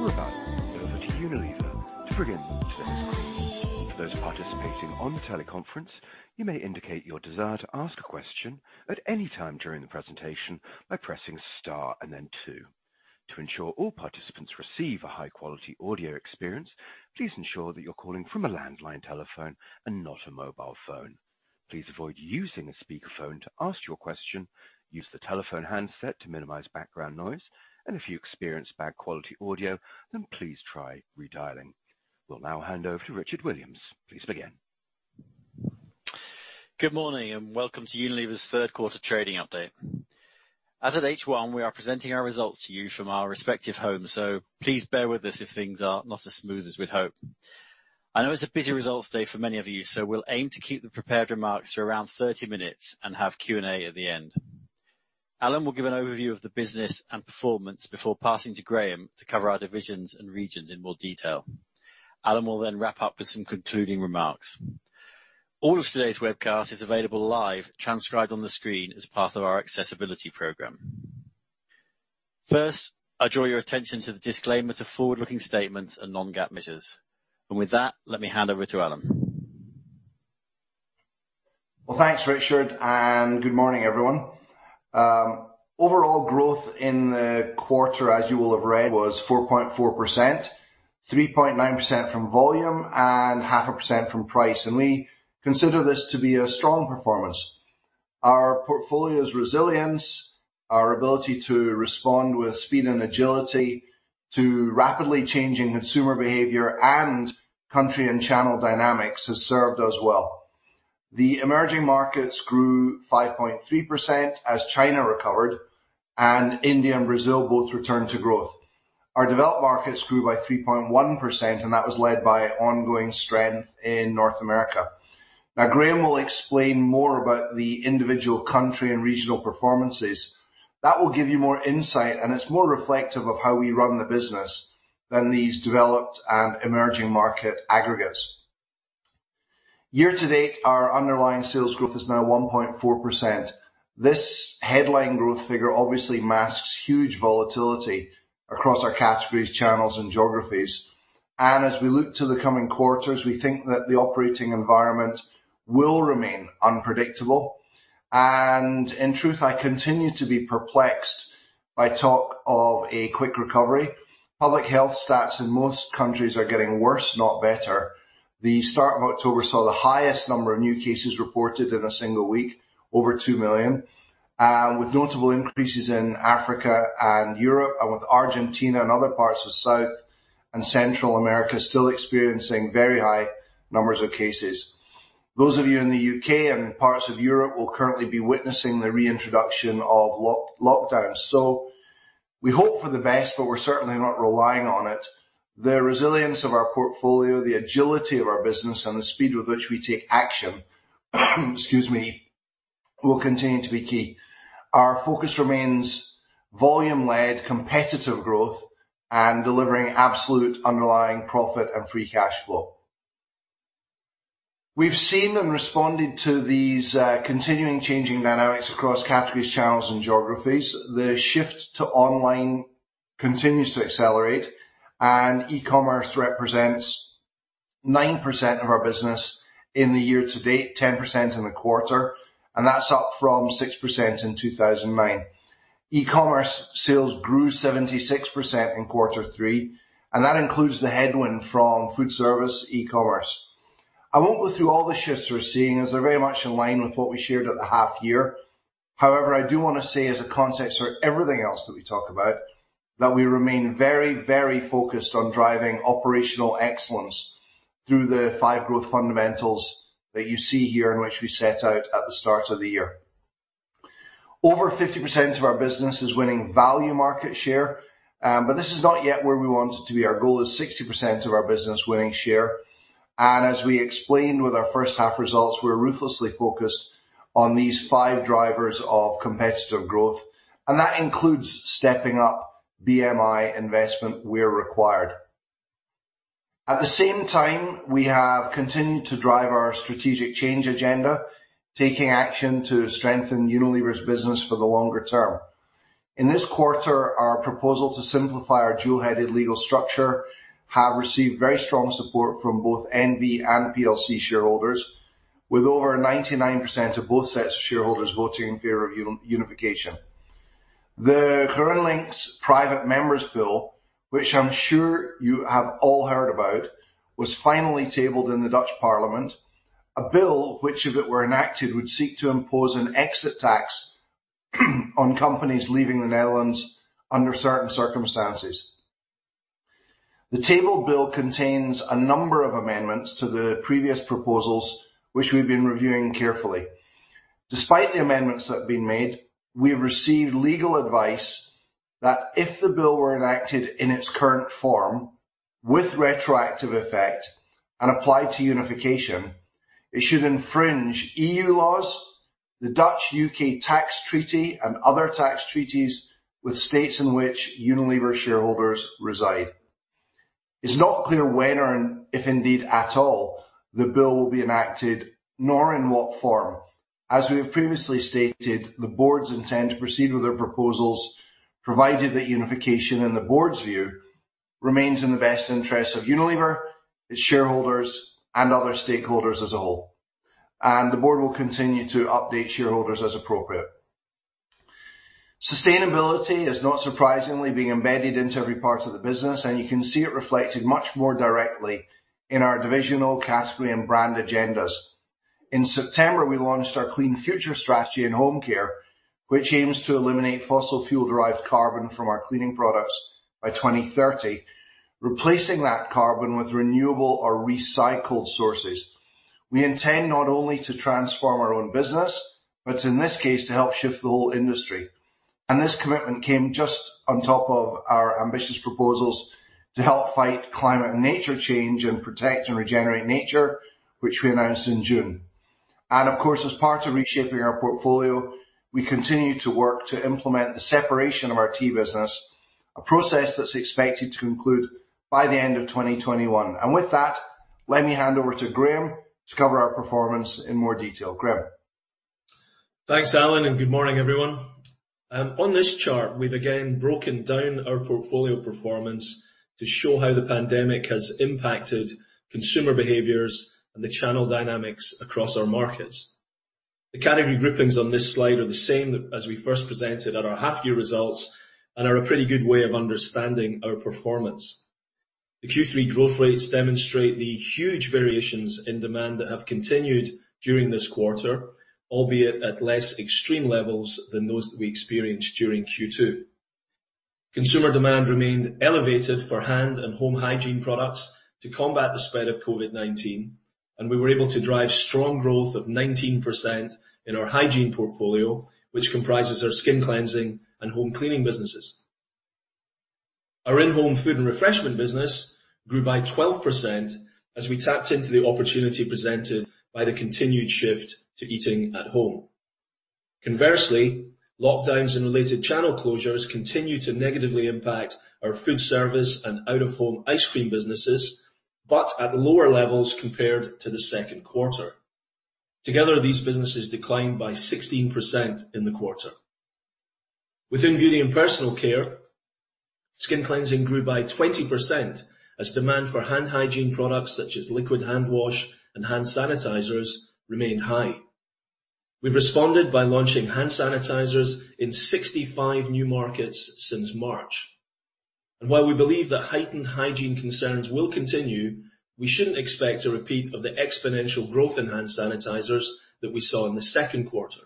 We're about to hand over to Unilever to begin today's call. For those participating on the teleconference, you may indicate your desire to ask a question at any time during the presentation by pressing star and then two. To ensure all participants receive a high-quality audio experience, please ensure that you're calling from a landline telephone and not a mobile phone. Please avoid using a speakerphone to ask your question, use the telephone handset to minimize background noise, and if you experience bad quality audio, then please try redialing. We'll now hand over to Richard Williams. Please begin Good morning, welcome to Unilever's third quarter trading update. As at H1, we are presenting our results to you from our respective homes, so please bear with us if things are not as smooth as we'd hope. I know it's a busy results day for many of you, so we'll aim to keep the prepared remarks to around 30 minutes and have Q&A at the end. Alan will give an overview of the business and performance before passing to Graeme to cover our divisions and regions in more detail. Alan will wrap up with some concluding remarks. All of today's webcast is available live, transcribed on the screen as part of our Accessibility Program. First, I draw your attention to the disclaimer to forward-looking statements and non-GAAP measures. With that, let me hand over to Alan. Well, thanks, Richard. Good morning, everyone. Overall growth in the quarter, as you will have read, was 4.4%, 3.9% from volume and 0.5% from price. We consider this to be a strong performance. Our portfolio's resilience, our ability to respond with speed and agility to rapidly changing consumer behavior, and country and channel dynamics has served us well. The emerging markets grew 5.3% as China recovered. India and Brazil both returned to growth. Our developed markets grew by 3.1%. That was led by ongoing strength in North America. Now, Graeme will explain more about the individual country and regional performances. That will give you more insight. It's more reflective of how we run the business than these developed and emerging market aggregates. Year to date, our underlying sales growth is now 1.4%. This headline growth figure obviously masks huge volatility across our categories, channels, and geographies. As we look to the coming quarters, we think that the operating environment will remain unpredictable. In truth, I continue to be perplexed by talk of a quick recovery. Public health stats in most countries are getting worse, not better. The start of October saw the highest number of new cases reported in a single week, over two million, and with notable increases in Africa and Europe, and with Argentina and other parts of South and Central America still experiencing very high numbers of cases. Those of you in the U.K. and parts of Europe will currently be witnessing the reintroduction of lockdowns. We hope for the best, but we're certainly not relying on it. The resilience of our portfolio, the agility of our business, and the speed with which we take action, excuse me, will continue to be key. Our focus remains volume-led competitive growth and delivering absolute underlying profit and free cash flow. We've seen and responded to these continuing changing dynamics across categories, channels, and geographies. The shift to online continues to accelerate, and e-commerce represents 9% of our business in the year to date, 10% in the quarter, and that's up from 6% in 2009. E-commerce sales grew 76% in quarter 3, and that includes the headwind from food service e-commerce. I won't go through all the shifts we're seeing, as they're very much in line with what we shared at the half year. I do want to say as a context for everything else that we talk about, that we remain very focused on driving operational excellence through the five growth fundamentals that you see here and which we set out at the start of the year. Over 50% of our business is winning value market share, this is not yet where we want it to be. Our goal is 60% of our business winning share. As we explained with our first half results, we're ruthlessly focused on these five drivers of competitive growth, and that includes stepping up BMI investment where required. At the same time, we have continued to drive our strategic change agenda, taking action to strengthen Unilever's business for the longer term. In this quarter, our proposal to simplify our dual-headed legal structure have received very strong support from both NV and PLC shareholders, with over 99% of both sets of shareholders voting in favor of unification. The GroenLinks private member's bill, which I'm sure you have all heard about, was finally tabled in the Dutch Parliament, a bill which if it were enacted, would seek to impose an exit tax on companies leaving the Netherlands under certain circumstances. The tabled bill contains a number of amendments to the previous proposals, which we've been reviewing carefully. Despite the amendments that have been made, we have received legal advice that if the bill were enacted in its current form with retroactive effect and applied to unification, it should infringe EU laws, the Dutch U.K. tax treaty, and other tax treaties with states in which Unilever shareholders reside. It's not clear when or if indeed at all, the bill will be enacted, nor in what form. As we have previously stated, the boards intend to proceed with their proposals, provided that unification in the board's view remains in the best interest of Unilever, its shareholders, and other stakeholders as a whole. The board will continue to update shareholders as appropriate. Sustainability is not surprisingly being embedded into every part of the business, and you can see it reflected much more directly in our divisional category and brand agendas. In September, we launched our Clean Future strategy in home care, which aims to eliminate fossil fuel-derived carbon from our cleaning products by 2030, replacing that carbon with renewable or recycled sources. We intend not only to transform our own business, but in this case, to help shift the whole industry. This commitment came just on top of our ambitious proposals to help fight climate and nature change and protect and regenerate nature, which we announced in June. Of course, as part of reshaping our portfolio, we continue to work to implement the separation of our tea business, a process that's expected to conclude by the end of 2021. With that, let me hand over to Graeme to cover our performance in more detail. Graeme? Thanks, Alan. Good morning, everyone. On this chart, we've again broken down our portfolio performance to show how the pandemic has impacted consumer behaviors and the channel dynamics across our markets. The category groupings on this slide are the same as we first presented at our half year results and are a pretty good way of understanding our performance. The Q3 growth rates demonstrate the huge variations in demand that have continued during this quarter, albeit at less extreme levels than those that we experienced during Q2. Consumer demand remained elevated for hand and home hygiene products to combat the spread of COVID-19, and we were able to drive strong growth of 19% in our hygiene portfolio, which comprises our skin cleansing and home cleaning businesses. Our in-home Foods & Refreshment business grew by 12% as we tapped into the opportunity presented by the continued shift to eating at home. Conversely, lockdowns and related channel closures continue to negatively impact our food service and out-of-home ice cream businesses, but at lower levels compared to the second quarter. Together, these businesses declined by 16% in the quarter. Within Beauty & Personal Care, skin cleansing grew by 20% as demand for hand hygiene products such as liquid hand wash and hand sanitizers remained high. We've responded by launching hand sanitizers in 65 new markets since March. While we believe that heightened hygiene concerns will continue, we shouldn't expect a repeat of the exponential growth in hand sanitizers that we saw in the second quarter.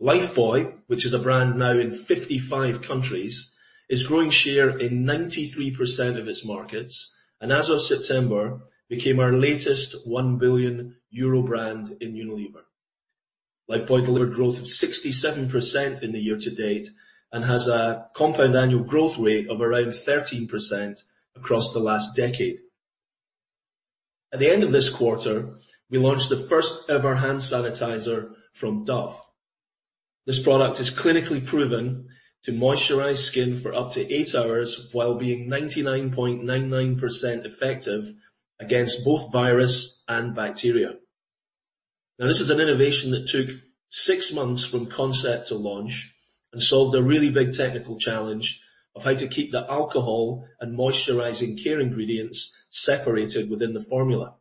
Lifebuoy, which is a brand now in 55 countries, is growing share in 93% of its markets, and as of September, became our latest 1 billion euro brand in Unilever. Lifebuoy delivered growth of 67% in the year to date and has a compound annual growth rate of around 13% across the last decade. At the end of this quarter, we launched the first ever hand sanitiser from Dove. This product is clinically proven to moisturise skin for up to eight hours while being 99.99% effective against both virus and bacteria. Now, this is an innovation that took six months from concept to launch and solved a really big technical challenge of how to keep the alcohol and moisturising care ingredients separated within the formula.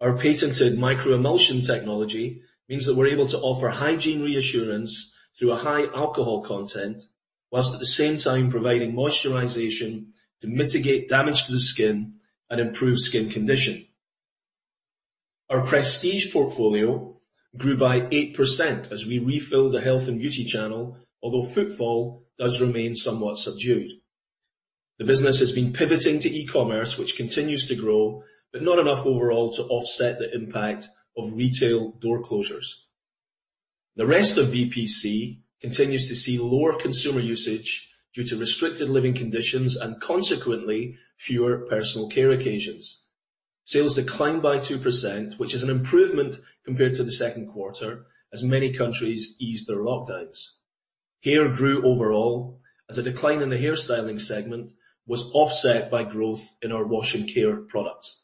Our patented microemulsion technology means that we're able to offer hygiene reassurance through a high alcohol content, while at the same time providing moisturization to mitigate damage to the skin and improve skin condition. Our prestige portfolio grew by 8% as we refilled the health and beauty channel, although footfall does remain somewhat subdued. The business has been pivoting to e-commerce, which continues to grow, but not enough overall to offset the impact of retail door closures. The rest of BPC continues to see lower consumer usage due to restricted living conditions and consequently, fewer personal care occasions. Sales declined by 2%, which is an improvement compared to the second quarter as many countries eased their lockdowns. Hair grew overall as a decline in the hairstyling segment was offset by growth in our wash and care products.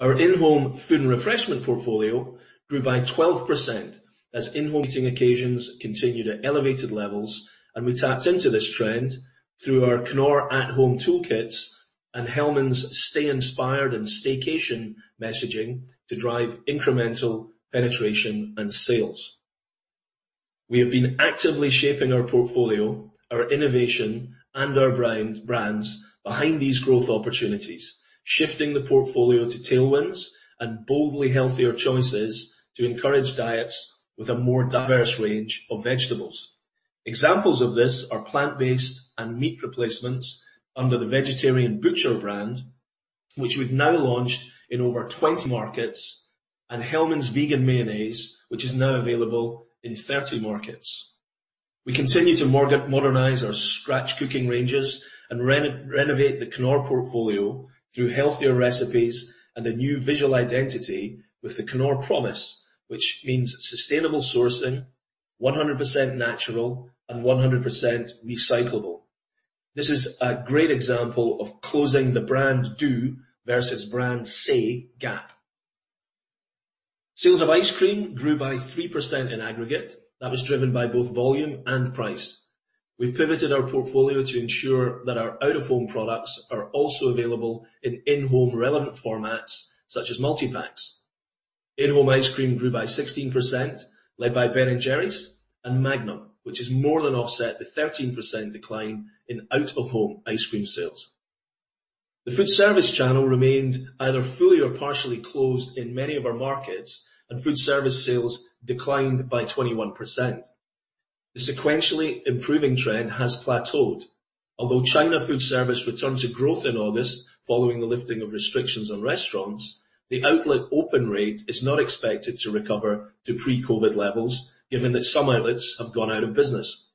Our in-home food and refreshment portfolio grew by 12% as in-home eating occasions continued at elevated levels. We tapped into this trend through our Knorr At Home toolkits and Hellmann's Stay Inspired and Staycation messaging to drive incremental penetration and sales. We have been actively shaping our portfolio, our innovation, and our brands behind these growth opportunities, shifting the portfolio to tailwinds and boldly healthier choices to encourage diets with a more diverse range of vegetables. Examples of this are plant-based and meat replacements under The Vegetarian Butcher brand, which we've now launched in over 20 markets, and Hellmann's vegan mayonnaise, which is now available in 30 markets. We continue to modernize our scratch cooking ranges and renovate the Knorr portfolio through healthier recipes and a new visual identity with the Knorr promise, which means sustainable sourcing, 100% natural and 100% recyclable. This is a great example of closing the brand do versus brand say gap. Sales of ice cream grew by 3% in aggregate. That was driven by both volume and price. We've pivoted our portfolio to ensure that our out-of-home products are also available in in-home relevant formats such as multi-packs. In-home ice cream grew by 16%, led by Ben & Jerry's and Magnum, which has more than offset the 13% decline in out-of-home ice cream sales. The food service channel remained either fully or partially closed in many of our markets, and food service sales declined by 21%. The sequentially improving trend has plateaued. Although China food service returned to growth in August following the lifting of restrictions on restaurants, the outlet open rate is not expected to recover to pre-COVID levels given that some outlets have gone out of business.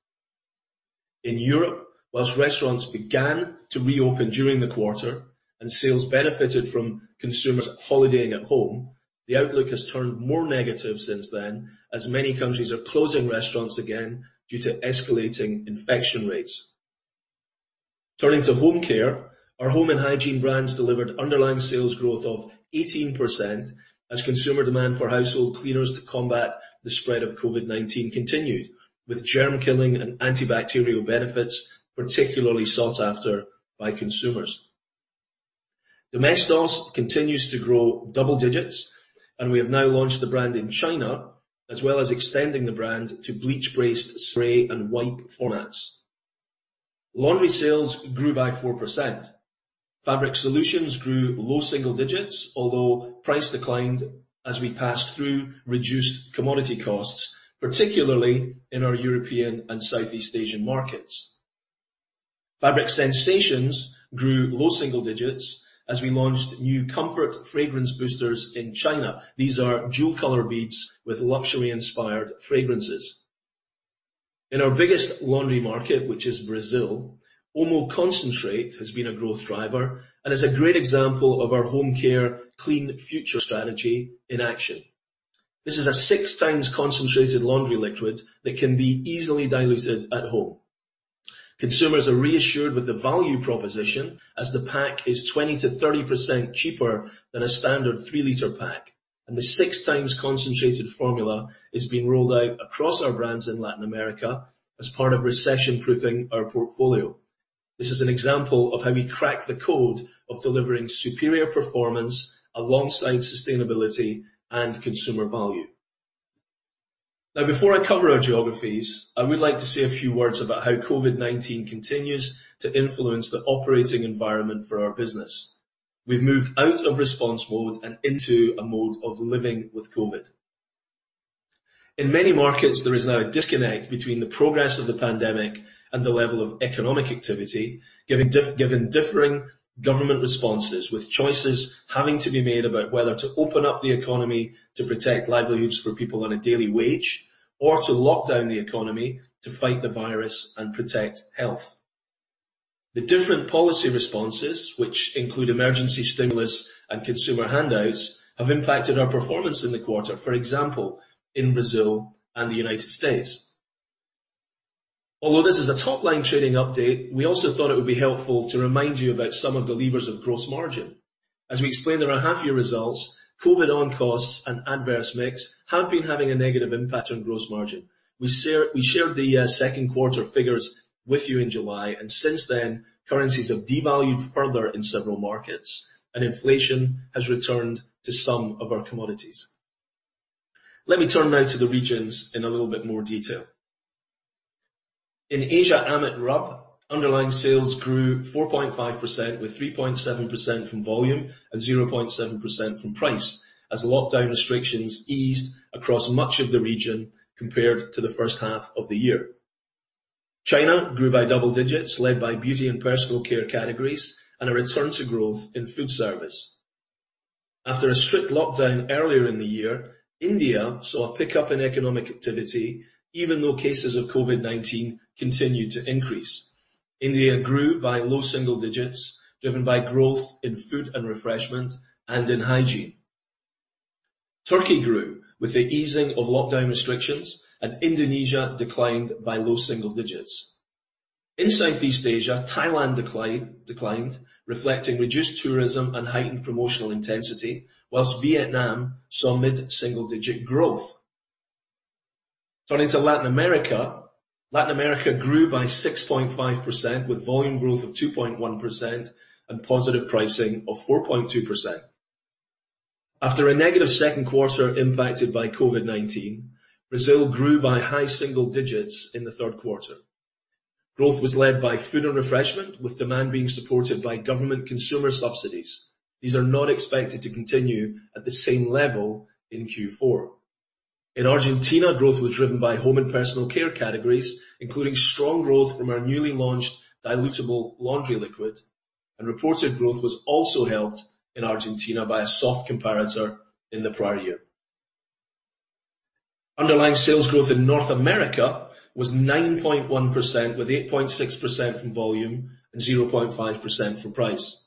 In Europe, whilst restaurants began to reopen during the quarter and sales benefited from consumers holidaying at home, the outlook has turned more negative since then, as many countries are closing restaurants again due to escalating infection rates. Turning to Home Care, our home and hygiene brands delivered underlying sales growth of 18% as consumer demand for household cleaners to combat the spread of COVID-19 continued, with germ killing and antibacterial benefits particularly sought after by consumers. Domestos continues to grow double digits, and we have now launched the brand in China, as well as extending the brand to bleach-based spray and wipe formats. Laundry sales grew by 4%. Fabric solutions grew low single digits, although price declined as we passed through reduced commodity costs, particularly in our European and Southeast Asian markets. Fabric sensations grew low single digits as we launched new Comfort fragrance boosters in China. These are dual color beads with luxury inspired fragrances. In our biggest laundry market, which is Brazil, OMO Concentrate has been a growth driver and is a great example of our home care Clean Future strategy in action. This is a six times concentrated laundry liquid that can be easily diluted at home. Consumers are reassured with the value proposition as the pack is 20%-30% cheaper than a standard three-liter pack, and the six times concentrated formula is being rolled out across our brands in Latin America as part of recession-proofing our portfolio. This is an example of how we crack the code of delivering superior performance alongside sustainability and consumer value. Now, before I cover our geographies, I would like to say a few words about how COVID-19 continues to influence the operating environment for our business. We've moved out of response mode and into a mode of living with COVID-19. In many markets, there is now a disconnect between the progress of the pandemic and the level of economic activity, given differing government responses, with choices having to be made about whether to open up the economy to protect livelihoods for people on a daily wage or to lock down the economy to fight the virus and protect health. The different policy responses, which include emergency stimulus and consumer handouts, have impacted our performance in the quarter, for example, in Brazil and the United States. Although this is a top-line trading update, we also thought it would be helpful to remind you about some of the levers of gross margin. As we explained in our half year results, COVID-19 on costs and adverse mix have been having a negative impact on gross margin. We shared the second quarter figures with you in July, and since then, currencies have devalued further in several markets, and inflation has returned to some of our commodities. Let me turn now to the regions in a little bit more detail. In Asia/AMET/RUB, underlying sales grew 4.5% with 3.7% from volume and 0.7% from price as lockdown restrictions eased across much of the region compared to the first half of the year. China grew by double digits, led by Beauty & Personal Care categories, and a return to growth in food service. After a strict lockdown earlier in the year, India saw a pickup in economic activity even though cases of COVID-19 continued to increase. India grew by low single digits, driven by growth in Foods & Refreshment and in hygiene. Turkey grew with the easing of lockdown restrictions, and Indonesia declined by low single digits. In Southeast Asia, Thailand declined, reflecting reduced tourism and heightened promotional intensity, whilst Vietnam saw mid-single digit growth. Turning to Latin America, Latin America grew by 6.5% with volume growth of 2.1% and positive pricing of 4.2%. After a negative second quarter impacted by COVID-19, Brazil grew by high single digits in the third quarter. Growth was led by food and refreshment, with demand being supported by government consumer subsidies. These are not expected to continue at the same level in Q4. In Argentina, growth was driven by home and personal care categories, including strong growth from our newly launched dilutable laundry liquid, and reported growth was also helped in Argentina by a soft comparator in the prior year. Underlying sales growth in North America was 9.1%, with 8.6% from volume and 0.5% from price.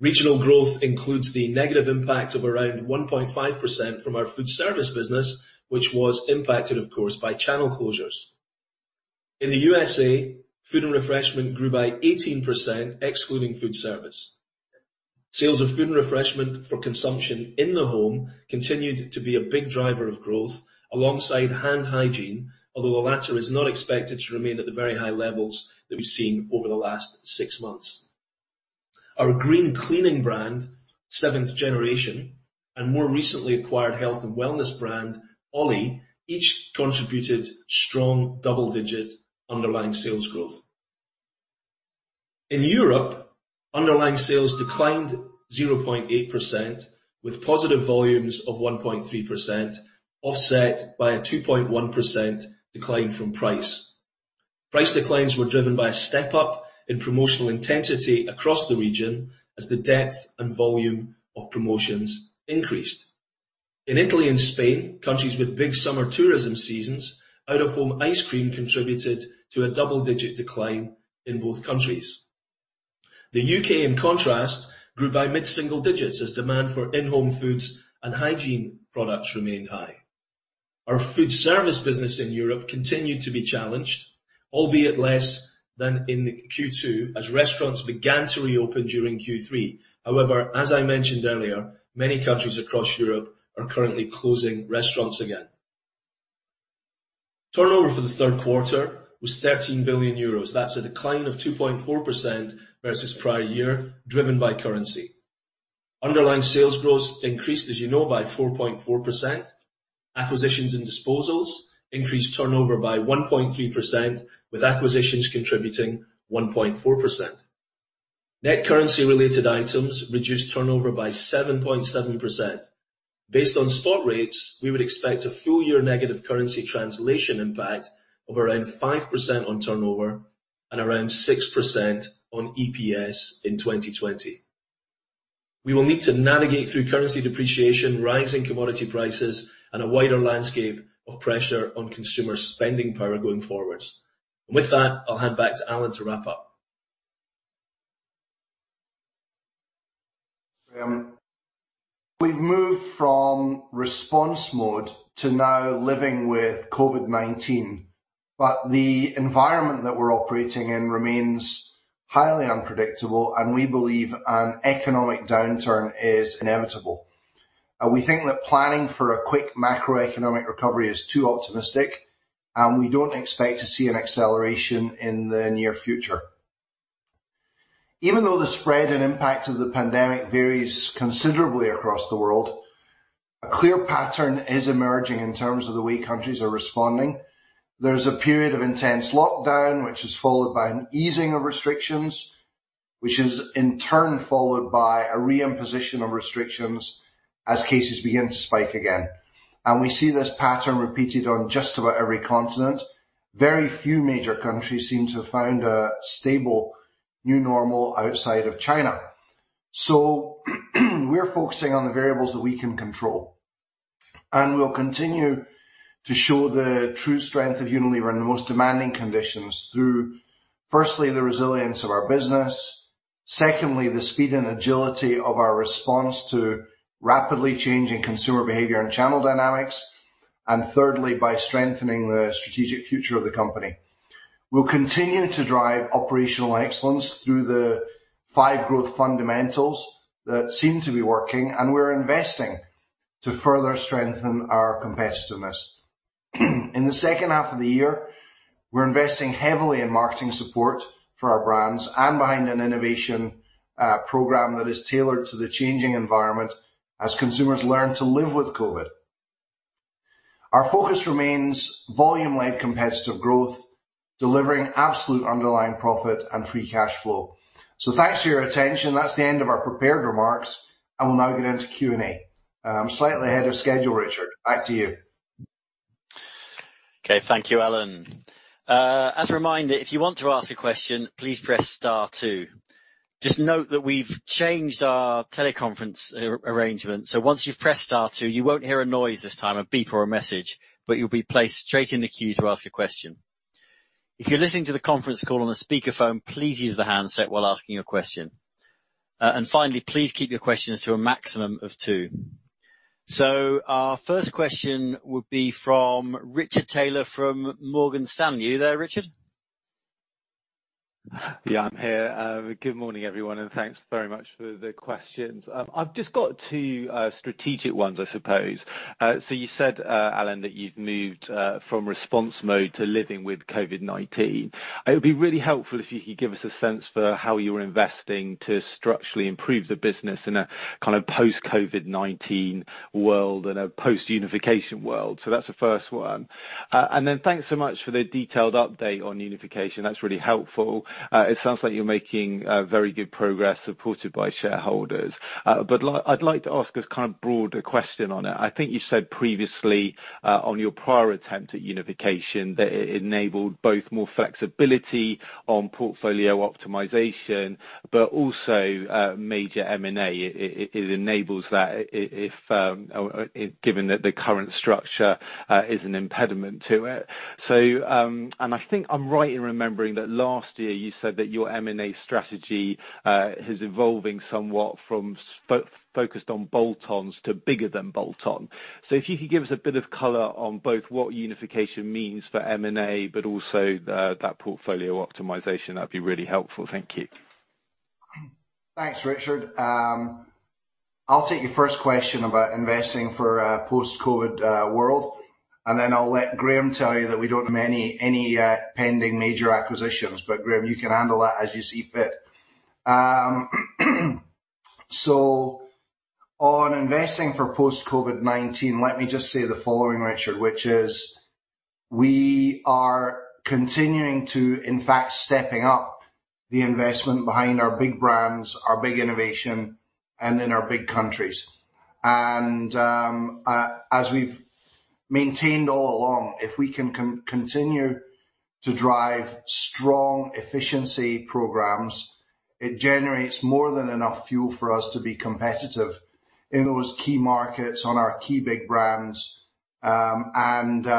Regional growth includes the negative impact of around 1.5% from our food service business, which was impacted, of course, by channel closures. In the U.S.A., Foods & Refreshment grew by 18%, excluding food service. Sales of Foods & Refreshment for consumption in the home continued to be a big driver of growth alongside hand hygiene, although the latter is not expected to remain at the very high levels that we've seen over the last six months. Our green cleaning brand, Seventh Generation, and more recently acquired health and wellness brand, OLLY, each contributed strong double-digit underlying sales growth. In Europe, underlying sales declined 0.8%, with positive volumes of 1.3%, offset by a 2.1% decline from price. Price declines were driven by a step up in promotional intensity across the region as the depth and volume of promotions increased. In Italy and Spain, countries with big summer tourism seasons, out of home ice cream contributed to a double-digit decline in both countries. The U.K., in contrast, grew by mid-single digits as demand for in-home foods and hygiene products remained high. Our food service business in Europe continued to be challenged, albeit less than in the Q2, as restaurants began to reopen during Q3. However, as I mentioned earlier, many countries across Europe are currently closing restaurants again. Turnover for the third quarter was 13 billion euros. That's a decline of 2.4% versus prior year, driven by currency. Underlying sales growth increased, as you know, by 4.4%. Acquisitions and disposals increased turnover by 1.3%, with acquisitions contributing 1.4%. Net currency related items reduced turnover by 7.7%. Based on spot rates, we would expect a full year negative currency translation impact of around 5% on turnover and around 6% on EPS in 2020. We will need to navigate through currency depreciation, rising commodity prices, and a wider landscape of pressure on consumer spending power going forwards. With that, I'll hand back to Alan to wrap up. Thanks, Graeme. We've moved from response mode to now living with COVID-19, but the environment that we're operating in remains highly unpredictable, and we believe an economic downturn is inevitable. We think that planning for a quick macroeconomic recovery is too optimistic, and we don't expect to see an acceleration in the near future. Even though the spread and impact of the pandemic varies considerably across the world, a clear pattern is emerging in terms of the way countries are responding. There's a period of intense lockdown, which is followed by an easing of restrictions, which is in turn followed by a reimposition of restrictions as cases begin to spike again. We see this pattern repeated on just about every continent. Very few major countries seem to have found a stable new normal outside of China. We're focusing on the variables that we can control, and we'll continue to show the true strength of Unilever in the most demanding conditions through, firstly, the resilience of our business, secondly, the speed and agility of our response to rapidly changing consumer behavior and channel dynamics, and thirdly, by strengthening the strategic future of the company. We'll continue to drive operational excellence through the five growth fundamentals that seem to be working, and we're investing to further strengthen our competitiveness. In the second half of the year, we're investing heavily in marketing support for our brands and behind an innovation program that is tailored to the changing environment as consumers learn to live with COVID. Our focus remains volume-led competitive growth, delivering absolute underlying profit and free cash flow. Thanks for your attention. That's the end of our prepared remarks. I will now get into Q&A. I'm slightly ahead of schedule, Richard. Back to you. Okay. Thank you, Alan. As a reminder, if you want to ask a question, please press star two. Just note that we've changed our teleconference arrangement, so once you've pressed star two, you won't hear a noise this time, a beep or a message, but you'll be placed straight in the queue to ask a question. If you're listening to the conference call on a speakerphone, please use the handset while asking your question. Finally, please keep your questions to a maximum of two. Our first question would be from Richard Taylor from Morgan Stanley. You there, Richard? Yeah, I'm here. Good morning, everyone. Thanks very much for the questions. I've just got two strategic ones, I suppose. You said, Alan, that you've moved from response mode to living with COVID-19. It would be really helpful if you could give us a sense for how you're investing to structurally improve the business in a kind of post-COVID-19 world and a post-Unification world. That's the first one. Thanks so much for the detailed update on Unification. That's really helpful. It sounds like you're making very good progress supported by shareholders. I'd like to ask a kind of broader question on it. I think you said previously on your prior attempt at unification that it enabled both more flexibility on portfolio optimization but also major M&A. It enables that, given that the current structure is an impediment to it. I think I'm right in remembering that last year you said that your M&A strategy is evolving somewhat from focused on bolt-ons to bigger than bolt-on. If you could give us a bit of color on both what Unification means for M&A, but also that portfolio optimization, that'd be really helpful. Thank you. Thanks, Richard. I'll take your first question about investing for a post-COVID-19 world. Then I'll let Graeme tell you that we don't have any pending major acquisitions. Graeme, you can handle that as you see fit. On investing for post-COVID-19, let me just say the following, Richard, which is we are continuing to, in fact, stepping up the investment behind our big brands, our big innovation, and in our big countries. As we've maintained all along, if we can continue to drive strong efficiency programs, it generates more than enough fuel for us to be competitive in those key markets on our key big brands, and in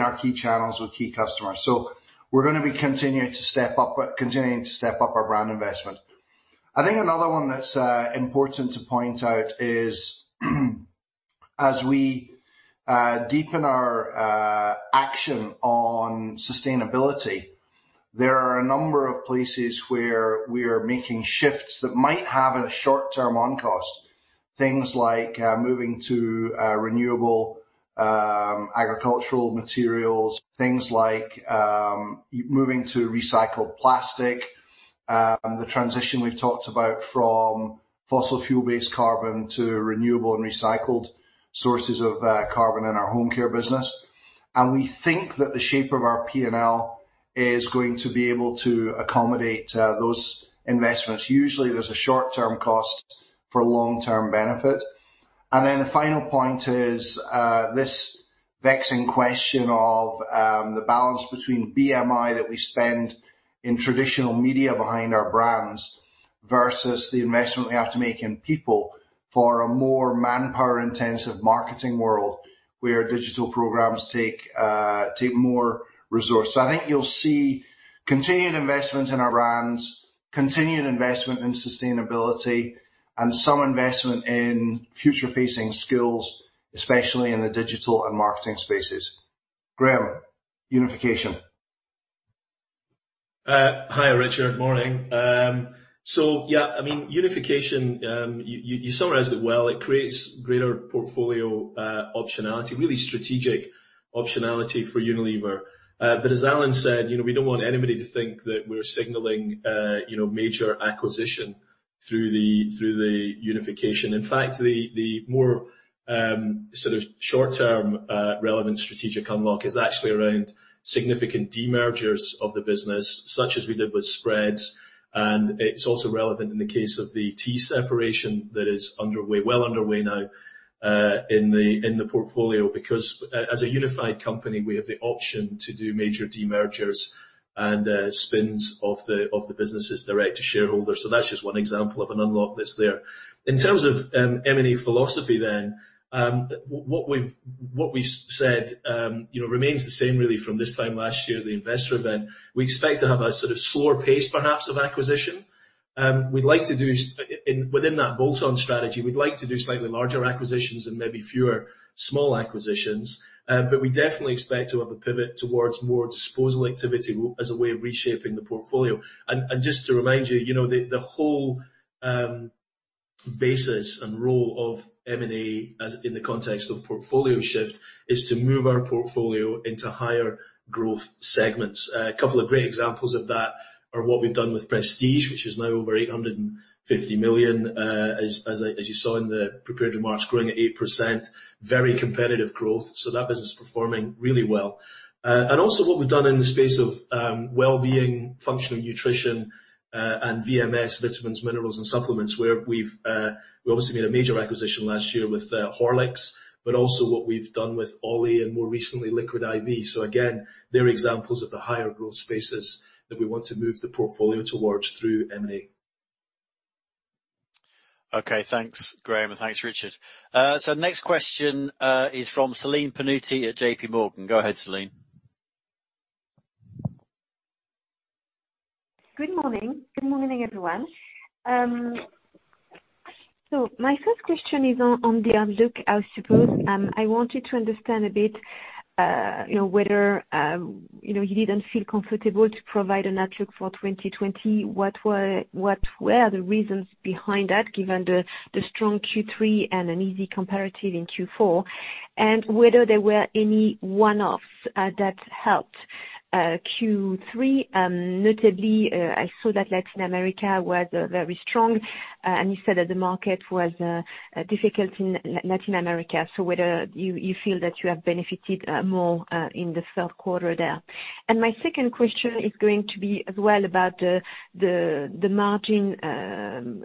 our key channels with key customers. We're going to be continuing to step up our brand investment. I think another one that's important to point out is, as we deepen our action on sustainability, there are a number of places where we are making shifts that might have a short-term on-cost. Things like moving to renewable agricultural materials. Things like moving to recycled plastic. The transition we've talked about from fossil fuel-based carbon to renewable and recycled sources of carbon in our home care business. We think that the shape of our P&L is going to be able to accommodate those investments. Usually, there's a short-term cost for long-term benefit. Then the final point is, this vexing question of the balance between BMI that we spend in traditional media behind our brands versus the investment we have to make in people for a more manpower intensive marketing world where digital programs take more resource. I think you'll see continued investment in our brands, continued investment in sustainability and some investment in future facing skills, especially in the digital and marketing spaces. Graeme, unification. Hi, Richard. Morning. Yeah, I mean, unification, you summarized it well. It creates greater portfolio optionality, really strategic optionality for Unilever. As Alan said, we don't want anybody to think that we're signaling major acquisition through the unification. In fact, the more sort of short-term relevant strategic unlock is actually around significant demergers of the business, such as we did with spreads, and it's also relevant in the case of the tea separation that is well underway now in the portfolio because, as a unified company, we have the option to do major demergers and spins off the businesses direct to shareholders. That's just one example of an unlock that's there. In terms of M&A philosophy, what we said remains the same really from this time last year at the investor event. We expect to have a sort of slower pace perhaps of acquisition. Within that bolt-on strategy, we'd like to do slightly larger acquisitions and maybe fewer small acquisitions. We definitely expect to have a pivot towards more disposal activity as a way of reshaping the portfolio. Just to remind you, the whole basis and role of M&A as in the context of portfolio shift is to move our portfolio into higher growth segments. A couple of great examples of that are what we've done with Prestige, which is now over 850 million, as you saw in the prepared remarks, growing at 8%. Very competitive growth. That business is performing really well. Also what we've done in the space of wellbeing, functional nutrition, and VMS, vitamins, minerals, and supplements, where we obviously made a major acquisition last year with Horlicks, but also what we've done with OLLY and more recently Liquid I.V. Again, they're examples of the higher growth spaces that we want to move the portfolio towards through M&A. Okay, thanks Graeme, and thanks Richard. Next question is from Celine Pannuti at JPMorgan. Go ahead, Celine. Good morning. Good morning, everyone. My first question is on the outlook, I suppose. I wanted to understand a bit whether you didn't feel comfortable to provide an outlook for 2020. What were the reasons behind that, given the strong Q3 and an easy comparative in Q4? Whether there were any one-offs that helped Q3? Notably, I saw that Latin America was very strong, and you said that the market was difficult in Latin America. Whether you feel that you have benefited more in the third quarter there. My second question is going to be as well about the margin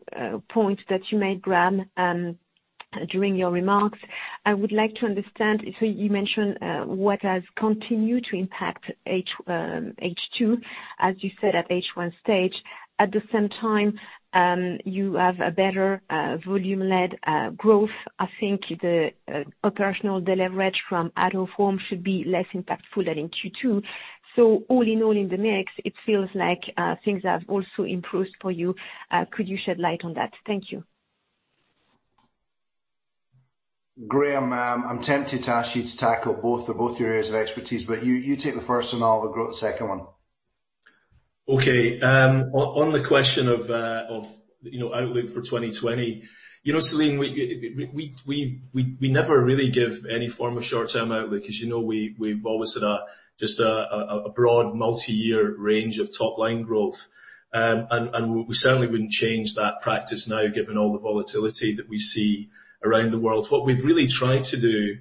points that you made, Graeme, during your remarks. I would like to understand, so you mentioned what has continued to impact H2, as you said at H1 stage. At the same time, you have a better volume-led growth. I think the operational leverage from out of home should be less impactful than in Q2. All in all in the mix, it feels like things have also improved for you. Could you shed light on that? Thank you. Graeme, I'm tempted to ask you to tackle both. They're both your areas of expertise, but you take the first and I'll take the second one. Okay. On the question of outlook for 2020, Celine, we never really give any form of short-term outlook because we've always had just a broad multi-year range of top-line growth. We certainly wouldn't change that practice now, given all the volatility that we see around the world. What we've really tried to do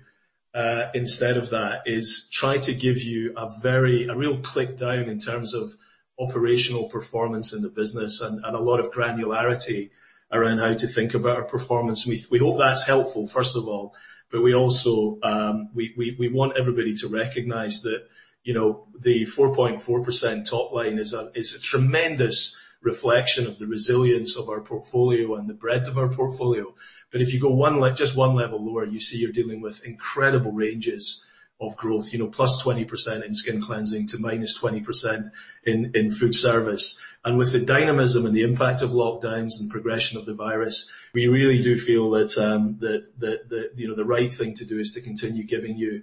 instead of that is try to give you a real click down in terms of operational performance in the business and a lot of granularity around how to think about our performance. We hope that's helpful, first of all, but we also want everybody to recognize that the 4.4% top line is a tremendous reflection of the resilience of our portfolio and the breadth of our portfolio. If you go just one level lower, you see you're dealing with incredible ranges of growth, +20% in skin cleansing to -20% in food service. With the dynamism and the impact of lockdowns and progression of the virus, we really do feel that the right thing to do is to continue giving you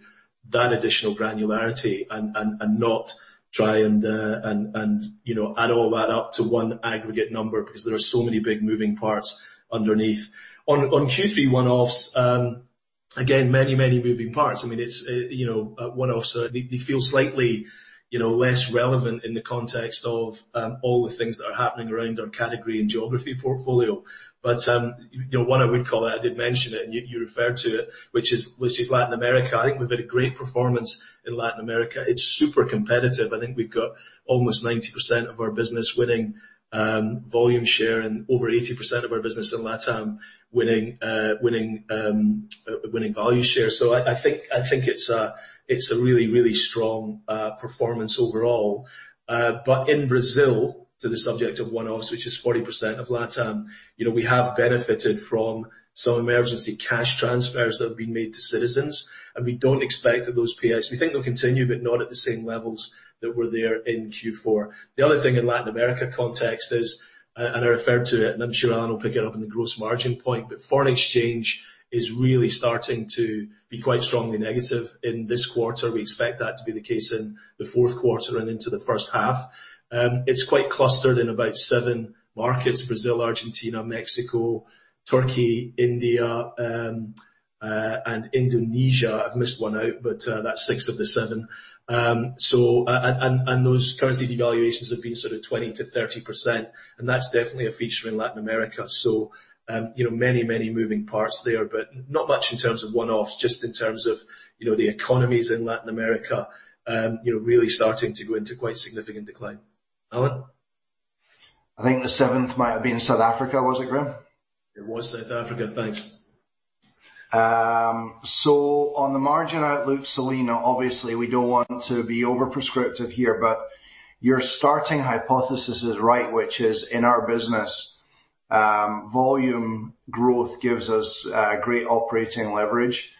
that additional granularity and not try and add all that up to one aggregate number because there are so many big moving parts underneath. On Q3 one-offs, again, many, many moving parts. One-offs, they feel slightly less relevant in the context of all the things that are happening around our category and geography portfolio. One I would call out, I did mention it and you referred to it, which is Latin America. I think we've had a great performance in Latin America. It's super competitive. I think we've got almost 90% of our business winning volume share and over 80% of our business in LatAm winning value share. I think it's a really, really strong performance overall. In Brazil, to the subject of one-offs, which is 40% of LatAm, we have benefited from some emergency cash transfers that have been made to citizens. We think they'll continue, but not at the same levels that were there in Q4. The other thing in Latin America context is, I referred to it, and I'm sure Alan will pick it up in the gross margin point, foreign exchange is really starting to be quite strongly negative in this quarter. We expect that to be the case in the fourth quarter and into the first half. It's quite clustered in about seven markets, Brazil, Argentina, Mexico, Turkey, India, and Indonesia. I've missed one out, but that's six of the seven. Those currency devaluations have been sort of 20%-30%, and that's definitely a feature in Latin America. Many moving parts there, but not much in terms of one-offs, just in terms of the economies in Latin America really starting to go into quite significant decline. Alan. I think the seventh might have been South Africa. Was it, Graeme? It was South Africa, thanks. On the margin outlook, Celine, obviously we don't want to be over-prescriptive here, but your starting hypothesis is right, which is in our business, volume growth gives us great operating leverage.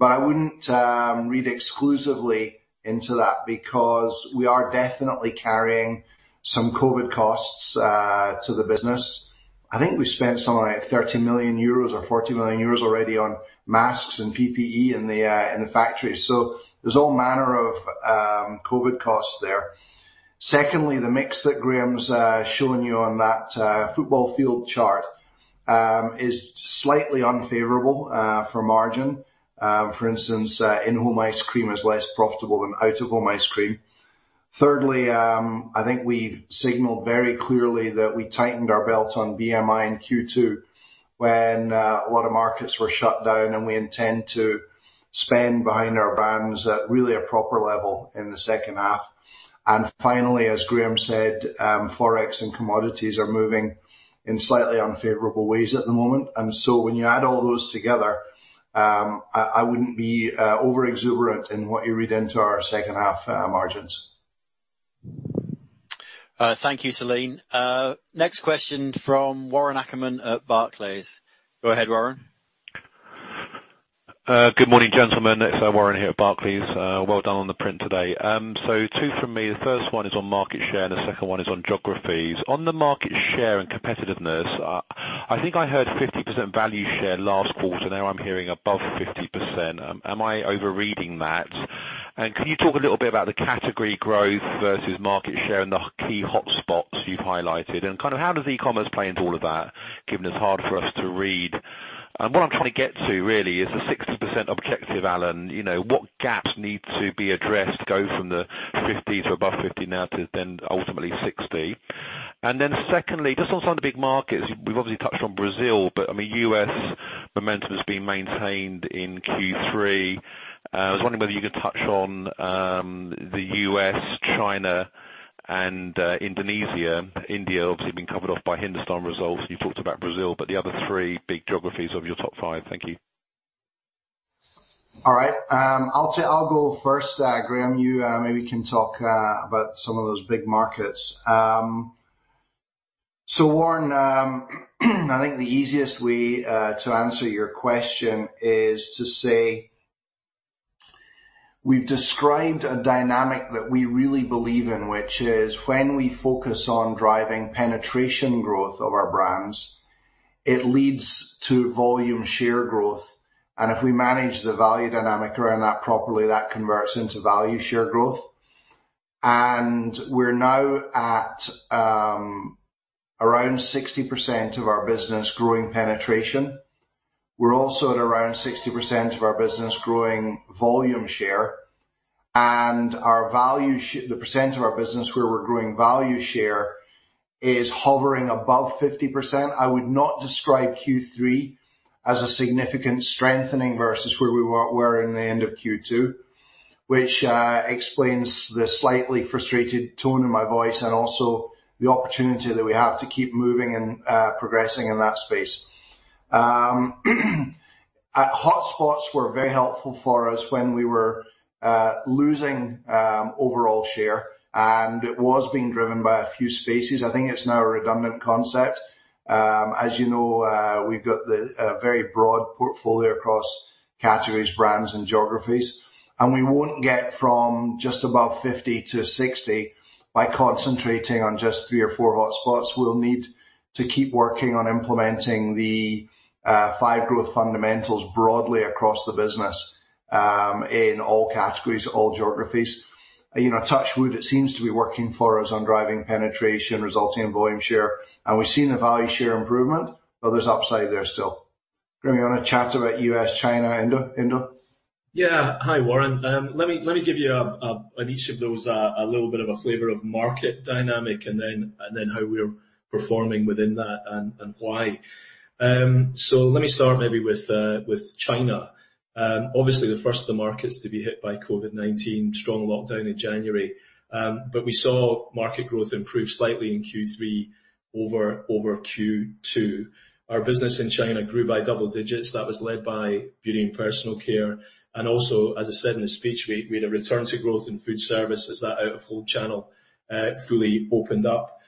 I wouldn't read exclusively into that because we are definitely carrying some COVID-19 costs to the business. I think we've spent somewhere like 30 million euros or 40 million euros already on masks and PPE in the factories. There's all manner of COVID-19 costs there. Secondly, the mix that Graeme's shown you on that football field chart is slightly unfavorable for margin. For instance, in-home ice cream is less profitable than out-of-home ice cream. Thirdly, I think we've signaled very clearly that we tightened our belt on BMI in Q2 when a lot of markets were shut down, and we intend to spend behind our brands at really a proper level in the second half. Finally, as Graeme said, forex and commodities are moving in slightly unfavorable ways at the moment. When you add all those together, I wouldn't be over exuberant in what you read into our second half margins. Thank you, Celine. Next question from Warren Ackerman at Barclays. Go ahead, Warren. Good morning, gentlemen. It's Warren here at Barclays. Well done on the print today. Two from me. The first one is on market share, and the second one is on geographies. On the market share and competitiveness, I think I heard 50% value share last quarter. Now I'm hearing above 50%. Am I overreading that? Can you talk a little bit about the category growth versus market share and the key hotspots you've highlighted? How does e-commerce play into all of that, given it's hard for us to read? What I'm trying to get to really is the 60% objective, Alan. What gaps need to be addressed to go from the 50% to above 50% now to then ultimately 60%? Secondly, just on some of the big markets, we've obviously touched on Brazil, but U.S. momentum has been maintained in Q3. I was wondering whether you could touch on the U.S., China, and Indonesia? India obviously been covered off by Hindustan results. You talked about Brazil, but the other three big geographies of your top five. Thank you. All right. I'll go first. Graeme, you maybe can talk about some of those big markets. Warren, I think the easiest way to answer your question is to say, we've described a dynamic that we really believe in, which is when we focus on driving penetration growth of our brands, it leads to volume share growth, and if we manage the value dynamic around that properly, that converts into value share growth. We're now at around 60% of our business growing penetration. We're also at around 60% of our business growing volume share and the percent of our business where we're growing value share is hovering above 50%. I would not describe Q3 as a significant strengthening versus where we were in the end of Q2, which explains the slightly frustrated tone in my voice and also the opportunity that we have to keep moving and progressing in that space. Hotspots were very helpful for us when we were losing overall share, and it was being driven by a few spaces. I think it's now a redundant concept. As you know, we've got a very broad portfolio across categories, brands, and geographies, and we won't get from just above 50%-60% by concentrating on just three or four hotspots. We'll need to keep working on implementing the five growth fundamentals broadly across the business, in all categories, all geographies. Touch wood, it seems to be working for us on driving penetration, resulting in volume share, and we've seen a value share improvement, but there's upside there still. Graeme, do you want to chat about U.S., China, Indo? Yeah. Hi, Warren. Let me give you on each of those, a little bit of a flavor of market dynamic and then how we're performing within that and why. Let me start maybe with China. Obviously, the first of the markets to be hit by COVID-19, strong lockdown in January. We saw market growth improve slightly in Q3 over Q2. Our business in China grew by double digits. That was led by beauty and personal care, and also, as I said in the speech, we had a return to growth in food service as that out of home channel fully opened up.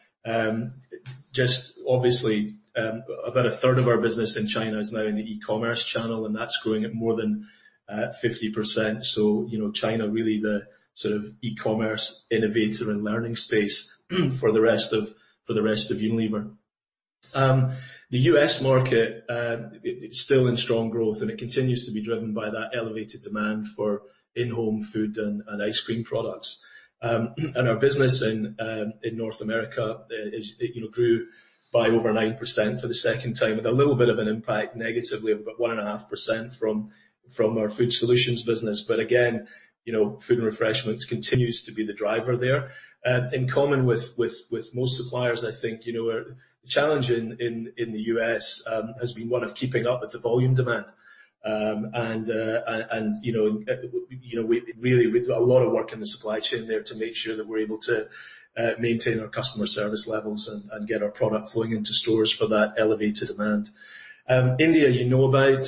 Just obviously, about a third of our business in China is now in the e-commerce channel, and that's growing at more than 50%. China really the sort of e-commerce innovator and learning space for the rest of Unilever. The U.S. market, still in strong growth, it continues to be driven by that elevated demand for in-home food and ice cream products. Our business in North America grew by over 9% for the second time, with a little bit of an impact negatively of about 1.5% from our food solutions business. Again, food and refreshments continues to be the driver there. In common with most suppliers, I think, the challenge in the U.S. has been one of keeping up with the volume demand. We've got a lot of work in the supply chain there to make sure that we're able to maintain our customer service levels and get our product flowing into stores for that elevated demand. India, you know about.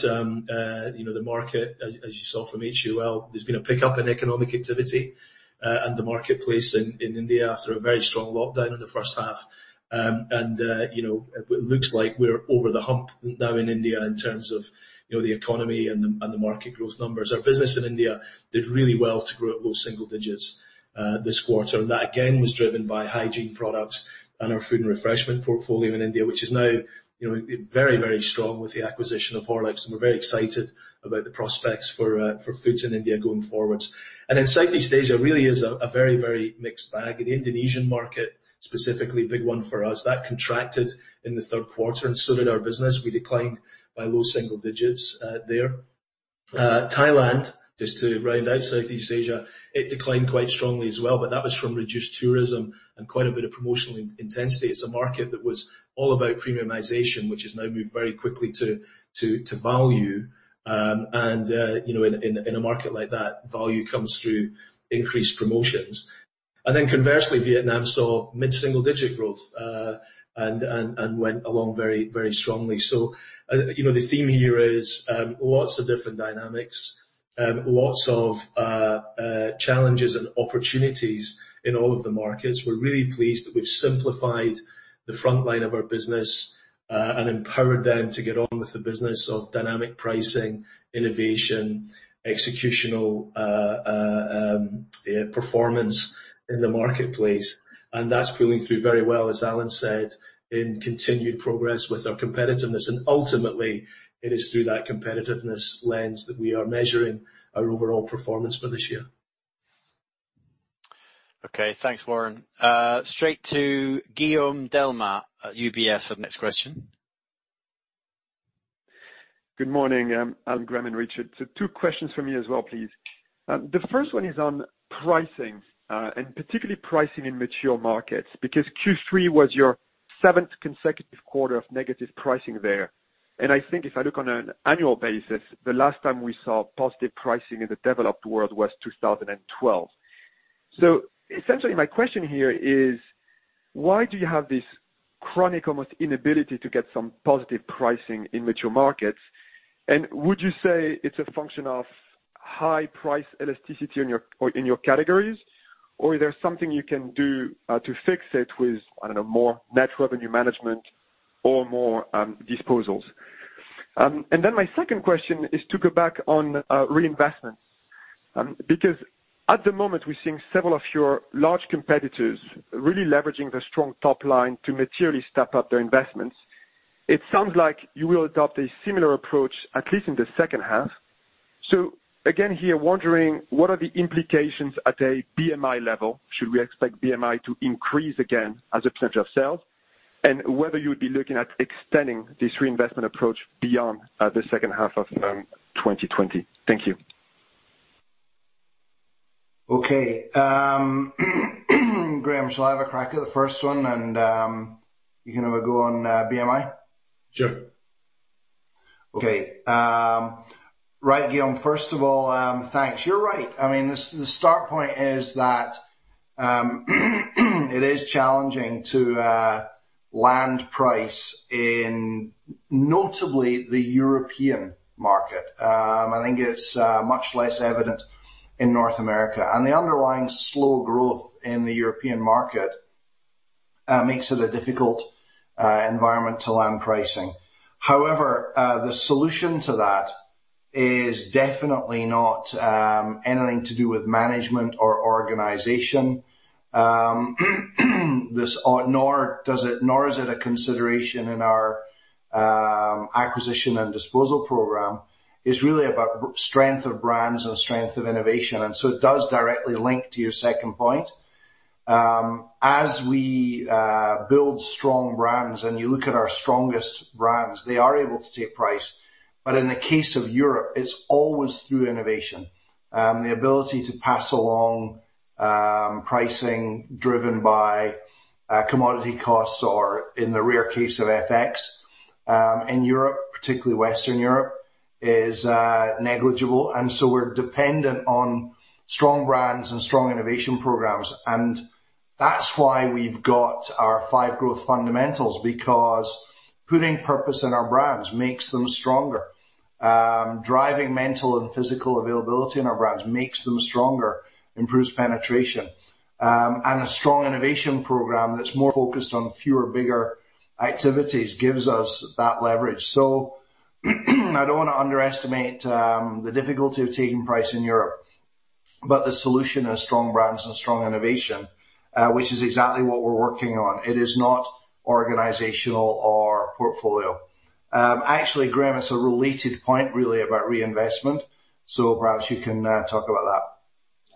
The market as you saw from HUL, there's been a pickup in economic activity, and the marketplace in India after a very strong lockdown in the first half. It looks like we're over the hump now in India in terms of the economy and the market growth numbers. Our business in India did really well to grow at low single digits this quarter, and that again, was driven by hygiene products and our food and refreshment portfolio in India, which is now very strong with the acquisition of Horlicks, and we're very excited about the prospects for foods in India going forwards. Southeast Asia really is a very mixed bag. The Indonesian market, specifically, big one for us, that contracted in the third quarter, and so did our business. We declined by low single digits there. Thailand, just to round out Southeast Asia, it declined quite strongly as well, but that was from reduced tourism and quite a bit of promotional intensity. It's a market that was all about premiumization, which has now moved very quickly to value. In a market like that, value comes through increased promotions. Conversely, Vietnam saw mid-single digit growth, and went along very strongly. The theme here is lots of different dynamics, lots of challenges and opportunities in all of the markets. We're really pleased that we've simplified the frontline of our business, and empowered them to get on with the business of dynamic pricing, innovation, executional performance in the marketplace, and that's pulling through very well, as Alan said, in continued progress with our competitiveness. Ultimately, it is through that competitiveness lens that we are measuring our overall performance for this year. Okay, thanks, Warren. Straight to Guillaume Delmas at UBS for the next question. Good morning, Alan, Graeme, and Richard. Two questions for me as well, please. The first one is on pricing, and particularly pricing in mature markets, because Q3 was your seventh consecutive quarter of negative pricing there. I think if I look on an annual basis, the last time we saw positive pricing in the developed world was 2012. Essentially, my question here is, why do you have this chronic almost inability to get some positive pricing in mature markets? Would you say it's a function of high price elasticity in your categories, or is there something you can do to fix it with, I don't know, more net revenue management or more disposals? My second question is to go back on reinvestments. Because at the moment, we're seeing several of your large competitors really leveraging the strong top line to materially step up their investments. It sounds like you will adopt a similar approach, at least in the second half. Again, here, wondering what are the implications at a BMI level? Should we expect BMI to increase again as a percentage of sales? Whether you'd be looking at extending this reinvestment approach beyond the second half of 2020. Thank you. Okay. Graeme, shall I have a crack at the first one, and you can have a go on BMI? Sure. Guillaume, first of all, thanks. You're right. I mean, the start point is that it is challenging to land price in notably the European market. I think it's much less evident in North America. The underlying slow growth in the European market makes it a difficult environment to land pricing. The solution to that is definitely not anything to do with management or organization nor is it a consideration in our acquisition and disposal program. It's really about strength of brands and strength of innovation, and so it does directly link to your second point. As we build strong brands and you look at our strongest brands, they are able to take price, but in the case of Europe, it's always through innovation. The ability to pass along pricing driven by commodity costs or in the rare case of FX, in Europe, particularly Western Europe, is negligible. We're dependent on strong brands and strong innovation programs. That's why we've got our five growth fundamentals, because putting purpose in our brands makes them stronger. Driving mental and physical availability in our brands makes them stronger, improves penetration. A strong innovation program that's more focused on fewer, bigger activities gives us that leverage. I don't want to underestimate the difficulty of taking price in Europe, but the solution is strong brands and strong innovation, which is exactly what we're working on. It is not organizational or portfolio. Actually, Graeme, it's a related point really about reinvestment. Perhaps you can talk about that.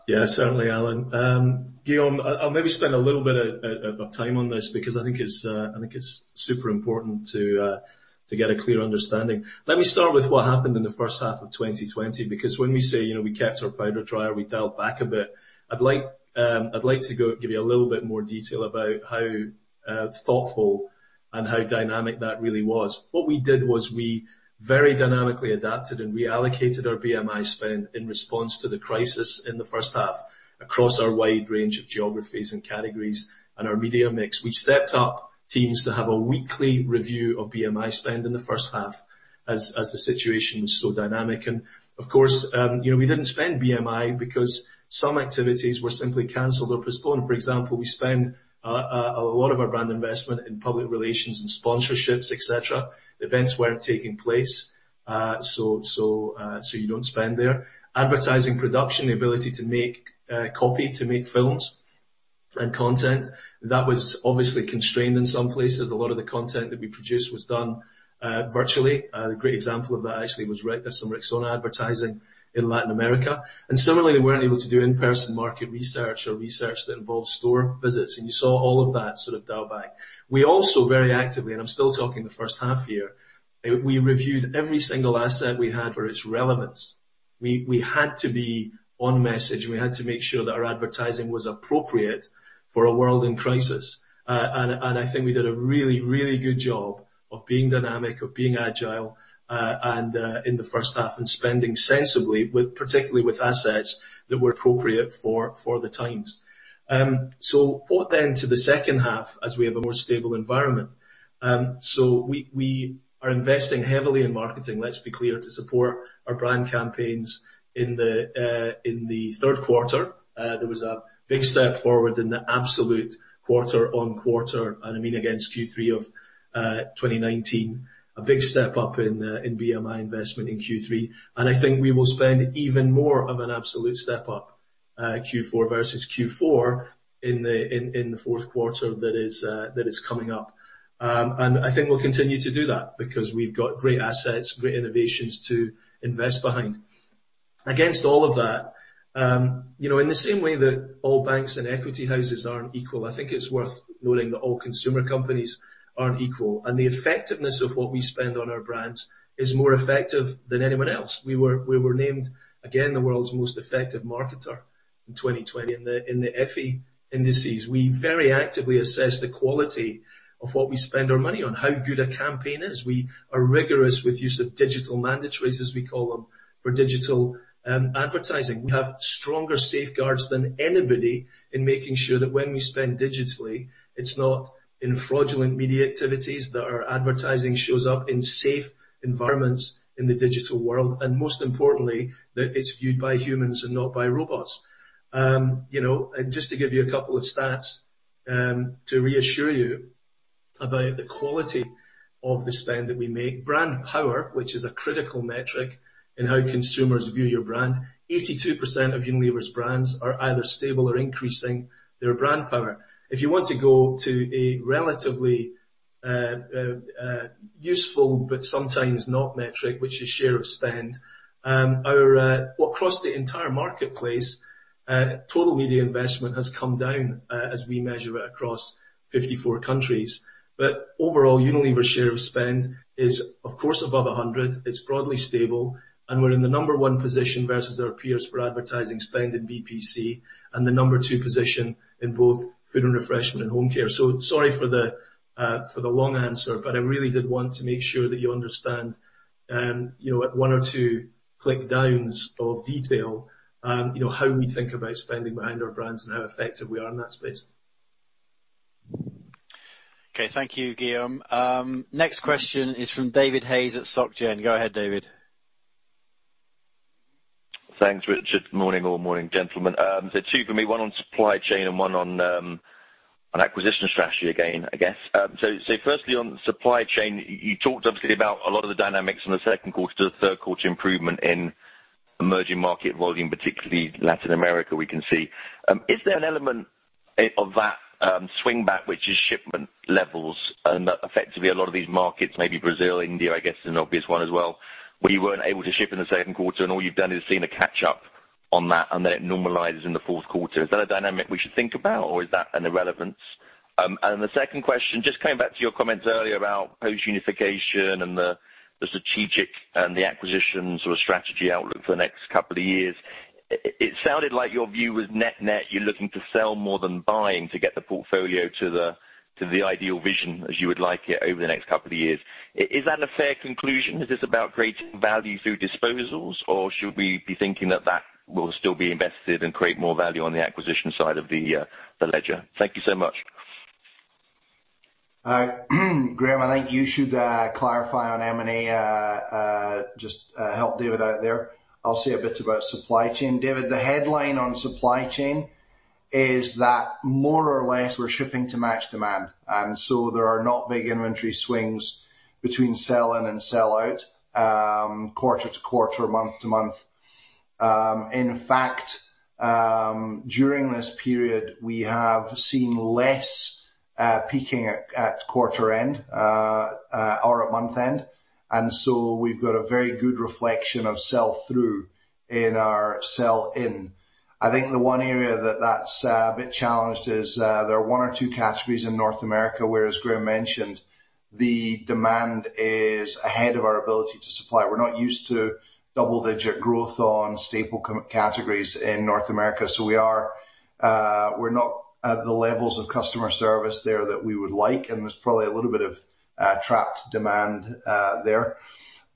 Yeah, certainly, Alan. Guillaume, I'll maybe spend a little bit of time on this because I think it's super important to get a clear understanding. Let me start with what happened in the first half of 2020, because when we say we kept our powder dry or we dialed back a bit, I'd like to give you a little bit more detail about how thoughtful and how dynamic that really was. What we did was we very dynamically adapted and reallocated our BMI spend in response to the crisis in the first half across our wide range of geographies and categories and our media mix. We stepped up teams to have a weekly review of BMI spend in the first half as the situation was so dynamic. Of course, we didn't spend BMI because some activities were simply canceled or postponed. For example, we spend a lot of our brand investment in public relations and sponsorships, et cetera. Events weren't taking place, so you don't spend there. Advertising production, the ability to make copy, to make films and content, that was obviously constrained in some places. A lot of the content that we produced was done virtually. A great example of that actually was some Rexona advertising in Latin America. Similarly, we weren't able to do in-person market research or research that involves store visits, and you saw all of that sort of dial back. We also very actively, and I'm still talking the first half here, we reviewed every single asset we had for its relevance. We had to be on message, and we had to make sure that our advertising was appropriate for a world in crisis. I think we did a really, really good job of being dynamic, of being agile in the first half and spending sensibly, particularly with assets that were appropriate for the times. Brought then to the second half as we have a more stable environment. We are investing heavily in marketing, let's be clear, to support our brand campaigns in the third quarter. There was a big step forward in the absolute quarter-on-quarter. I mean against Q3 of 2019. A big step up in BMI investment in Q3. I think we will spend even more of an absolute step up Q4 versus Q4 in the fourth quarter that is coming up. I think we'll continue to do that because we've got great assets, great innovations to invest behind. Against all of that, in the same way that all banks and equity houses aren't equal, I think it's worth noting that all consumer companies aren't equal, and the effectiveness of what we spend on our brands is more effective than anyone else. We were named again the world's most effective marketer in 2020 in the Effie indices. We very actively assess the quality of what we spend our money on, how good a campaign is. We are rigorous with use of digital mandatories, as we call them, for digital advertising. We have stronger safeguards than anybody in making sure that when we spend digitally, it's not in fraudulent media activities, that our advertising shows up in safe environments in the digital world, and most importantly, that it's viewed by humans and not by robots. Just to give you a couple of stats. To reassure you about the quality of the spend that we make, brand power, which is a critical metric in how consumers view your brand, 82% of Unilever's brands are either stable or increasing their brand power. If you want to go to a relatively useful but sometimes not metric, which is share of spend, across the entire marketplace, total media investment has come down as we measure it across 54 countries. Overall, Unilever share of spend is, of course, above 100. It's broadly stable, we're in the number one position versus our peers for advertising spend in BPC, and the number two position in both Foods & Refreshment and Home Care. Sorry for the long answer, but I really did want to make sure that you understand at one or two click downs of detail, how we think about spending behind our brands and how effective we are in that space. Okay. Thank you, Guillaume. Next question is from David Hayes at Société Générale. Go ahead, David. Thanks, Richard. Morning, all. Morning, gentlemen. Two for me, one on supply chain and one on acquisition strategy again, I guess. Firstly, on supply chain, you talked obviously about a lot of the dynamics from the second quarter to the third quarter improvement in emerging market volume, particularly Latin America, we can see. Is there an element of that swing back, which is shipment levels and effectively a lot of these markets, maybe Brazil, India, I guess is an obvious one as well, where you weren't able to ship in the second quarter and all you've done is seen a catch up on that, and then it normalizes in the fourth quarter. Is that a dynamic we should think about, or is that an irrelevance? The second question, just coming back to your comments earlier about post unification and the strategic and the acquisitions or strategy outlook for the next couple of years. It sounded like your view was net net, you're looking to sell more than buying to get the portfolio to the ideal vision as you would like it over the next couple of years. Is that a fair conclusion? Is this about creating value through disposals, or should we be thinking that that will still be invested and create more value on the acquisition side of the ledger? Thank you so much. Graeme, I think you should clarify on M&A, just help David out there. I'll say a bit about supply chain. David, the headline on supply chain is that more or less we're shipping to match demand, so there are not big inventory swings between sell in and sell out, quarter-to-quarter, month-to-month. In fact, during this period, we have seen less peaking at quarter end or at month end, and so we've got a very good reflection of sell through in our sell in. I think the one area that that's a bit challenged is, there are one or two categories in North America where, as Graeme mentioned, the demand is ahead of our ability to supply. We're not used to double-digit growth on staple categories in North America. We're not at the levels of customer service there that we would like, and there's probably a little bit of trapped demand there.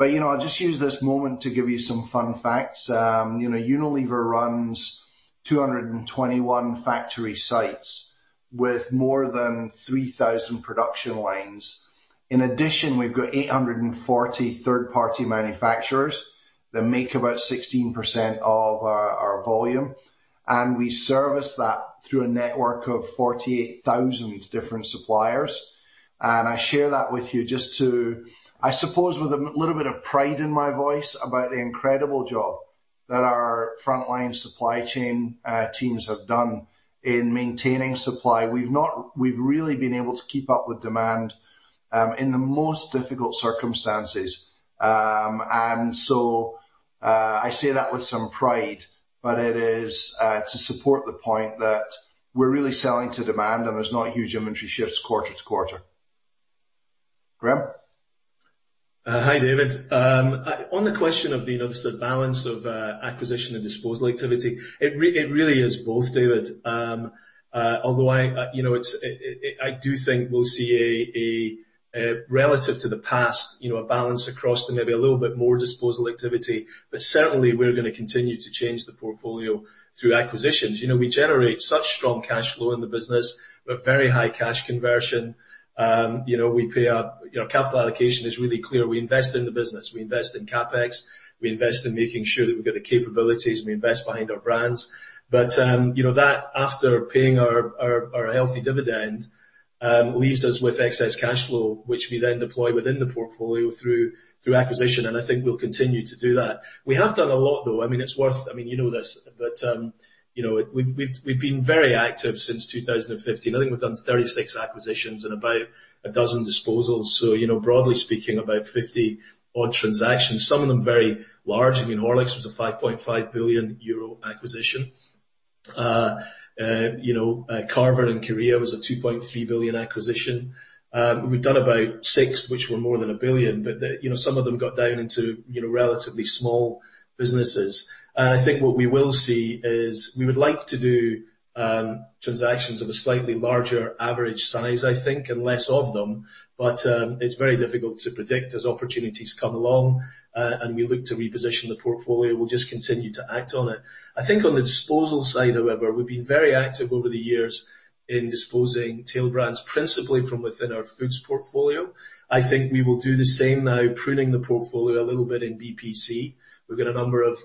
I'll just use this moment to give you some fun facts. Unilever runs 221 factory sites with more than 3,000 production lines. In addition, we've got 840 third party manufacturers that make about 16% of our volume, and we service that through a network of 48,000 different suppliers. I share that with you just to, I suppose with a little bit of pride in my voice about the incredible job that our frontline supply chain teams have done in maintaining supply. We've really been able to keep up with demand in the most difficult circumstances. I say that with some pride, but it is to support the point that we're really selling to demand and there's not huge inventory shifts quarter to quarter. Graeme? Hi, David. On the question of the, obviously the balance of acquisition and disposal activity, it really is both, David. I do think we'll see a relative to the past, a balance across to maybe a little bit more disposal activity, but certainly we're going to continue to change the portfolio through acquisitions. We generate such strong cash flow in the business with very high cash conversion. Our capital allocation is really clear. We invest in the business, we invest in CapEx, we invest in making sure that we've got the capabilities. We invest behind our brands. That after paying our healthy dividend, leaves us with excess cash flow, which we then deploy within the portfolio through acquisition, and I think we'll continue to do that. We have done a lot, though. I mean, it's worth You know this, but we've been very active since 2015. I think we've done 36 acquisitions and about a dozen disposals. Broadly speaking, about 50 odd transactions, some of them very large. I mean, Horlicks was a 5.5 billion euro acquisition. Carver Korea was a 2.3 billion acquisition. We've done about six, which were more than 1 billion, but some of them got down into relatively small businesses. I think what we will see is we would like to do transactions of a slightly larger average size, I think, and less of them, but it's very difficult to predict as opportunities come along, and we look to reposition the portfolio, we'll just continue to act on it. I think on the disposal side, however, we've been very active over the years in disposing tail brands, principally from within our foods portfolio. I think we will do the same now, pruning the portfolio a little bit in BPC. We've got a number of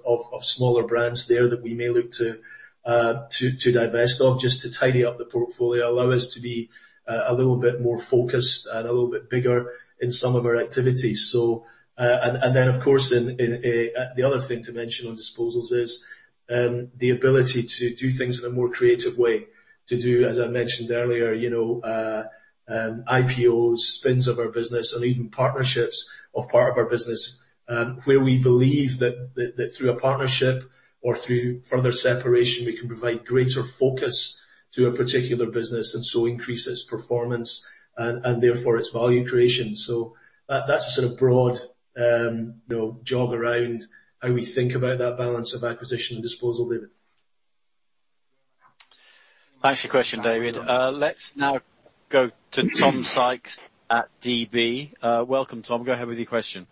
smaller brands there that we may look to divest of, just to tidy up the portfolio, allow us to be a little bit more focused and a little bit bigger in some of our activities. Then, of course, the other thing to mention on disposals is, the ability to do things in a more creative way. To do as I mentioned earlier, IPOs, spins of our business, and even partnerships of part of our business, where we believe that through a partnership or through further separation, we can provide greater focus to a particular business and so increase its performance, and therefore its value creation. That's a sort of broad jog around how we think about that balance of acquisition and disposal, David. Thanks for your question, David. Let's now go to Tom Sykes at DB. Welcome, Tom. Go ahead with your question.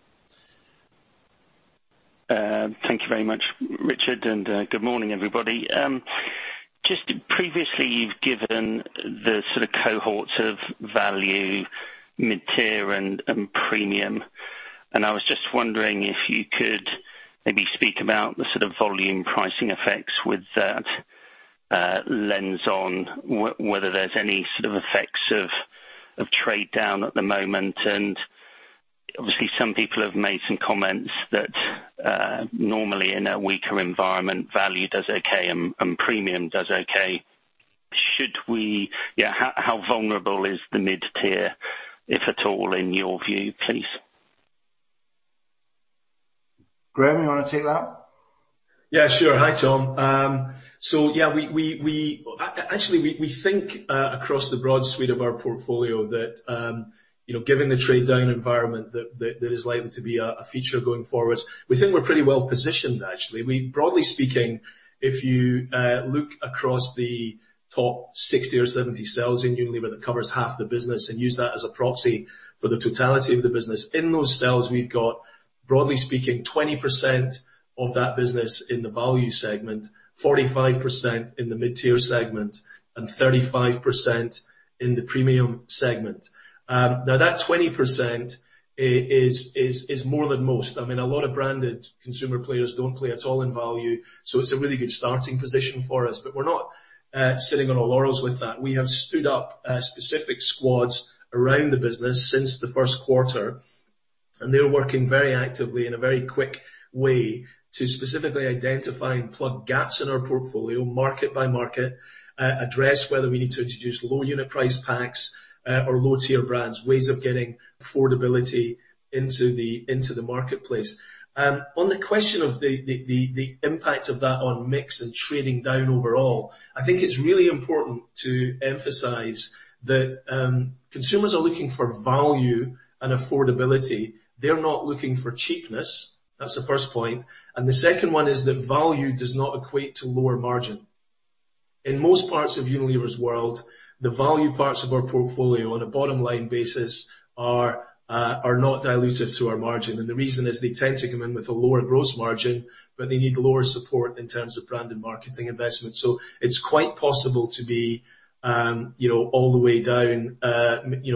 Thank you very much, Richard, and good morning, everybody. Just previously, you've given the sort of cohorts of value, mid-tier, and premium. I was just wondering if you could maybe speak about the sort of volume pricing effects with that lens on, whether there's any sort of effects of trade down at the moment, and obviously some people have made some comments that, normally in a weaker environment, value does okay and premium does okay. How vulnerable is the mid-tier, if at all, in your view, please? Graeme, you want to take that? Yeah, sure. Hi, Tom. Actually, we think across the broad suite of our portfolio that, given the trade down environment that is likely to be a feature going forward, we think we're pretty well positioned, actually. Broadly speaking, if you look across the top 60 or 70 sales in Unilever that covers half the business and use that as a proxy for the totality of the business, in those sales, we've got, broadly speaking, 20% of that business in the value segment, 45% in the mid-tier segment, and 35% in the premium segment. That 20% is more than most. I mean, a lot of branded consumer players don't play at all in value, so it's a really good starting position for us, but we're not sitting on our laurels with that. We have stood up specific squads around the business since the first quarter, and they're working very actively in a very quick way to specifically identify and plug gaps in our portfolio market by market, address whether we need to introduce low unit price packs, or low tier brands, ways of getting affordability into the marketplace. On the question of the impact of that on mix and trading down overall, I think it's really important to emphasize that consumers are looking for value and affordability. They're not looking for cheapness. That's the first point. The second one is that value does not equate to lower margin. In most parts of Unilever's world, the value parts of our portfolio on a bottom-line basis are not dilutive to our margin. The reason is they tend to come in with a lower gross margin, but they need lower support in terms of brand and marketing investment. It's quite possible to be all the way down,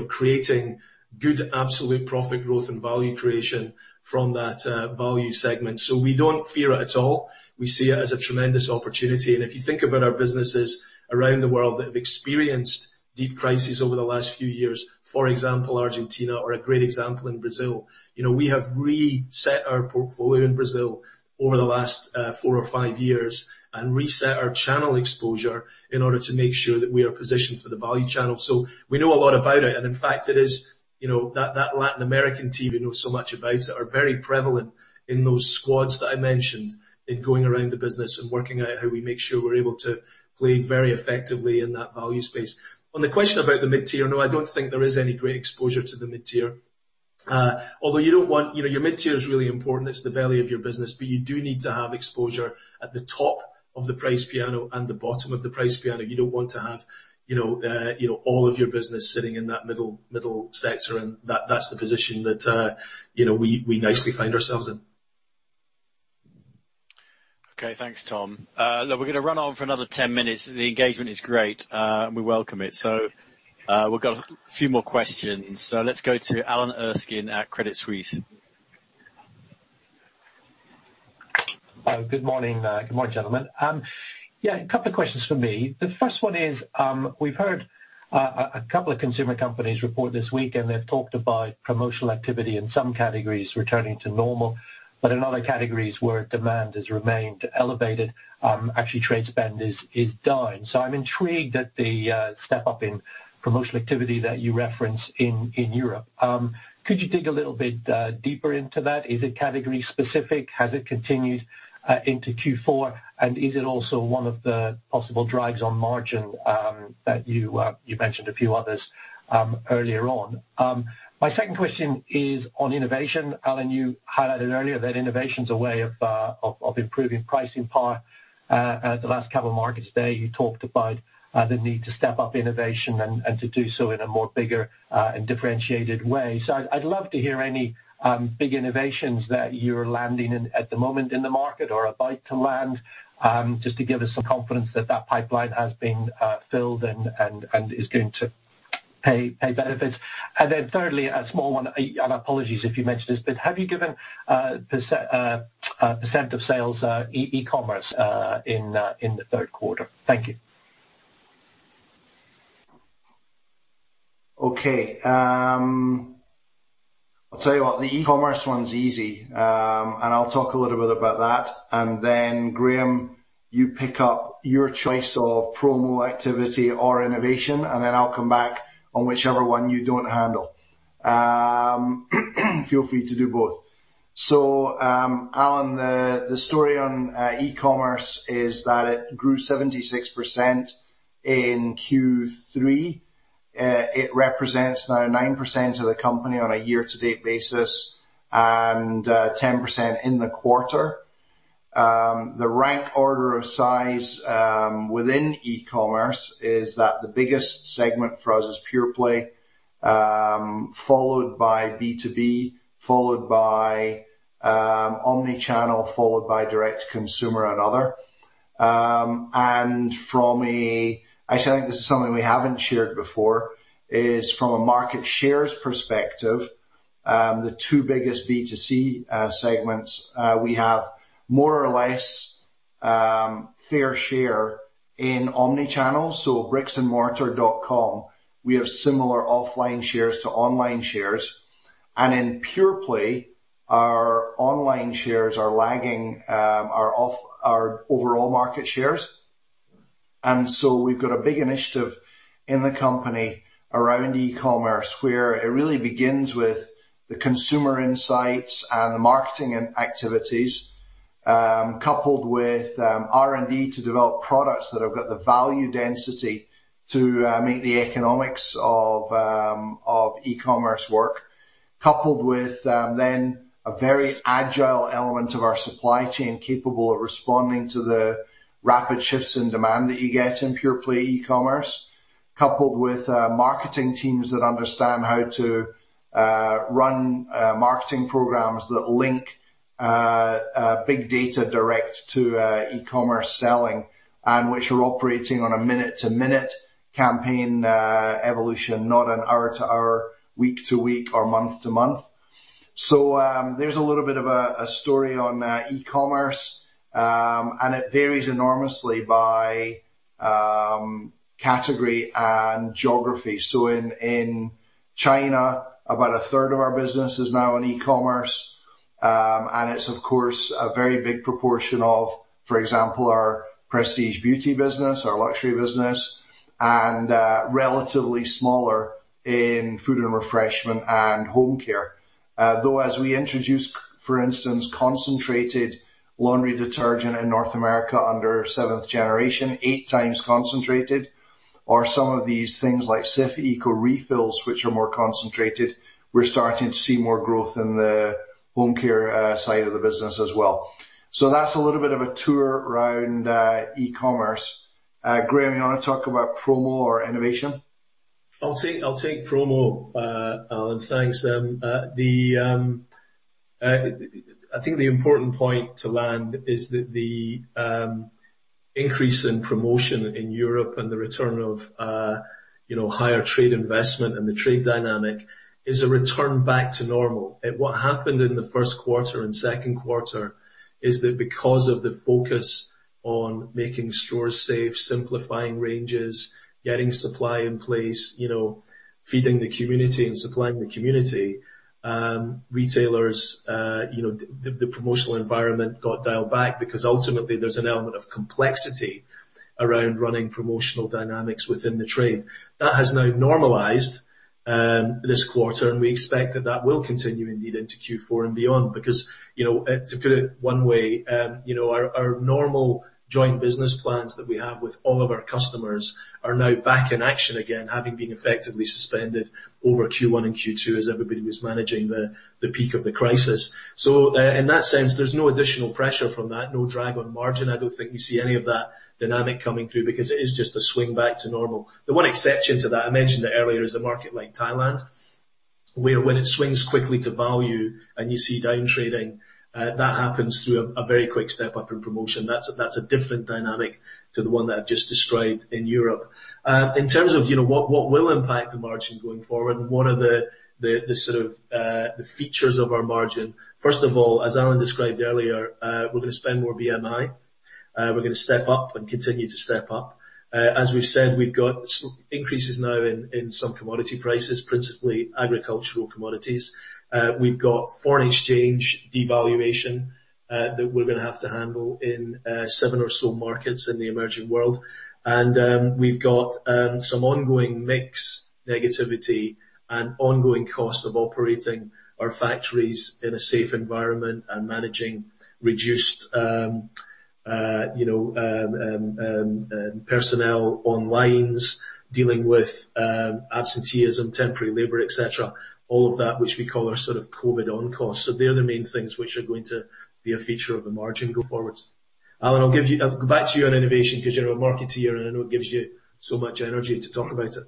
creating good absolute profit growth and value creation from that value segment. We don't fear it at all. We see it as a tremendous opportunity. If you think about our businesses around the world that have experienced deep crises over the last few years, for example, Argentina or a great example in Brazil, we have reset our portfolio in Brazil over the last four or five years and reset our channel exposure in order to make sure that we are positioned for the value channel. We know a lot about it, and in fact, that Latin American team we know so much about it are very prevalent in those squads that I mentioned in going around the business and working out how we make sure we're able to play very effectively in that value space. On the question about the mid-tier, no, I don't think there is any great exposure to the mid-tier. Although your mid-tier is really important, it's the belly of your business, but you do need to have exposure at the top of the price piano and the bottom of the price piano. You don't want to have all of your business sitting in that middle sector, and that's the position that we nicely find ourselves in. Okay, thanks, Tom. Look, we're going to run on for another 10 minutes. The engagement is great, and we welcome it. We've got a few more questions. Let's go to Alan Erskine at Credit Suisse. Good morning. Good morning, gentlemen. Two questions from me. We've heard two consumer companies report this week. They've talked about promotional activity in some categories returning to normal. But in other categories where demand has remained elevated, actually trade spend is dialing back. I'm intrigued at the step up in promotional activity that you reference in Europe. Could you dig a little bit deeper into that? Is it category specific? Has it continued into Q4? Is it also one of the possible drags on margin that you mentioned a few others earlier on? My second question is on innovation. Alan, you highlighted earlier that innovation's a way of improving pricing power. At the last Capital Markets Day, you talked about the need to step up innovation and to do so in a more bigger, and differentiated way. I'd love to hear any big innovations that you're landing in at the moment in the market or are about to land, just to give us some confidence that that pipeline has been filled and is going to pay benefits. Thirdly, a small one, and apologies if you mentioned this, but have you given percent of sales, e-commerce, in the third quarter? Thank you. Okay. I'll tell you what, the e-commerce one's easy. I'll talk a little bit about that, Graeme, you pick up your choice of promo activity or innovation, I'll come back on whichever one you don't handle. Feel free to do both. Alan, the story on e-commerce is that it grew 76% in Q3. It represents now 9% of the company on a year to date basis and 10% in the quarter. The rank order of size within e-commerce is that the biggest segment for us is pure play, followed by B2B, followed by omni-channel, followed by direct consumer and other. Actually, I think this is something we haven't shared before, is from a market shares perspective, the two biggest B2C segments, we have more or less fair share in omni-channel, so bricksandmortar.com, we have similar offline shares to online shares. In pure play, our online shares are lagging our overall market shares. We've got a big initiative in the company around e-commerce, where it really begins with the consumer insights and the marketing activities, coupled with R&D to develop products that have got the value density to make the economics of e-commerce work. Coupled with then a very agile element of our supply chain capable of responding to the rapid shifts in demand that you get in pure play e-commerce. Coupled with marketing teams that understand how to run marketing programs that link big data direct to e-commerce selling, and which are operating on a minute-to-minute campaign evolution, not an hour to hour, week to week, or month to month. There's a little bit of a story on e-commerce, and it varies enormously by category and geography. In China, about a third of our business is now on e-commerce. It's of course a very big proportion of, for example, our prestige beauty business, our luxury business, and relatively smaller in food and refreshment and home care. Though as we introduce, for instance, concentrated laundry detergent in North America under Seventh Generation, 8x concentrated, or some of these things like Cif ecorefills, which are more concentrated, we're starting to see more growth in the home care side of the business as well. That's a little bit of a tour around e-commerce. Graeme, you want to talk about promo or innovation? I'll take promo, Alan, thanks. I think the important point to land is that the increase in promotion in Europe and the return of higher trade investment and the trade dynamic is a return back to normal. What happened in the first quarter and second quarter is that because of the focus on making stores safe, simplifying ranges, getting supply in place, feeding the community and supplying the community, retailers, the promotional environment got dialed back because ultimately there's an element of complexity around running promotional dynamics within the trade. That has now normalized this quarter. We expect that that will continue indeed into Q4 and beyond because, to put it one way, our normal joint business plans that we have with all of our customers are now back in action again, having been effectively suspended over Q1 and Q2 as everybody was managing the peak of the crisis. In that sense, there's no additional pressure from that, no drag on margin. I don't think you see any of that dynamic coming through because it is just a swing back to normal. The one exception to that, I mentioned it earlier, is a market like Thailand, where when it swings quickly to value and you see down trading, that happens through a very quick step up in promotion. That's a different dynamic to the one that I've just described in Europe. In terms of what will impact the margin going forward and what are the features of our margin, first of all, as Alan described earlier, we're going to spend more BMI. We're going to step up and continue to step up. As we've said, we've got increases now in some commodity prices, principally agricultural commodities. We've got foreign exchange devaluation that we're going to have to handle in seven or so markets in the emerging world. We've got some ongoing mix negativity and ongoing cost of operating our factories in a safe environment and managing reduced personnel on lines, dealing with absenteeism, temporary labor, et cetera, all of that which we call our sort of COVID on cost. They are the main things which are going to be a feature of the margin go forwards. Alan, I'll give you Back to you on innovation because you're a marketeer, and I know it gives you so much energy to talk about it.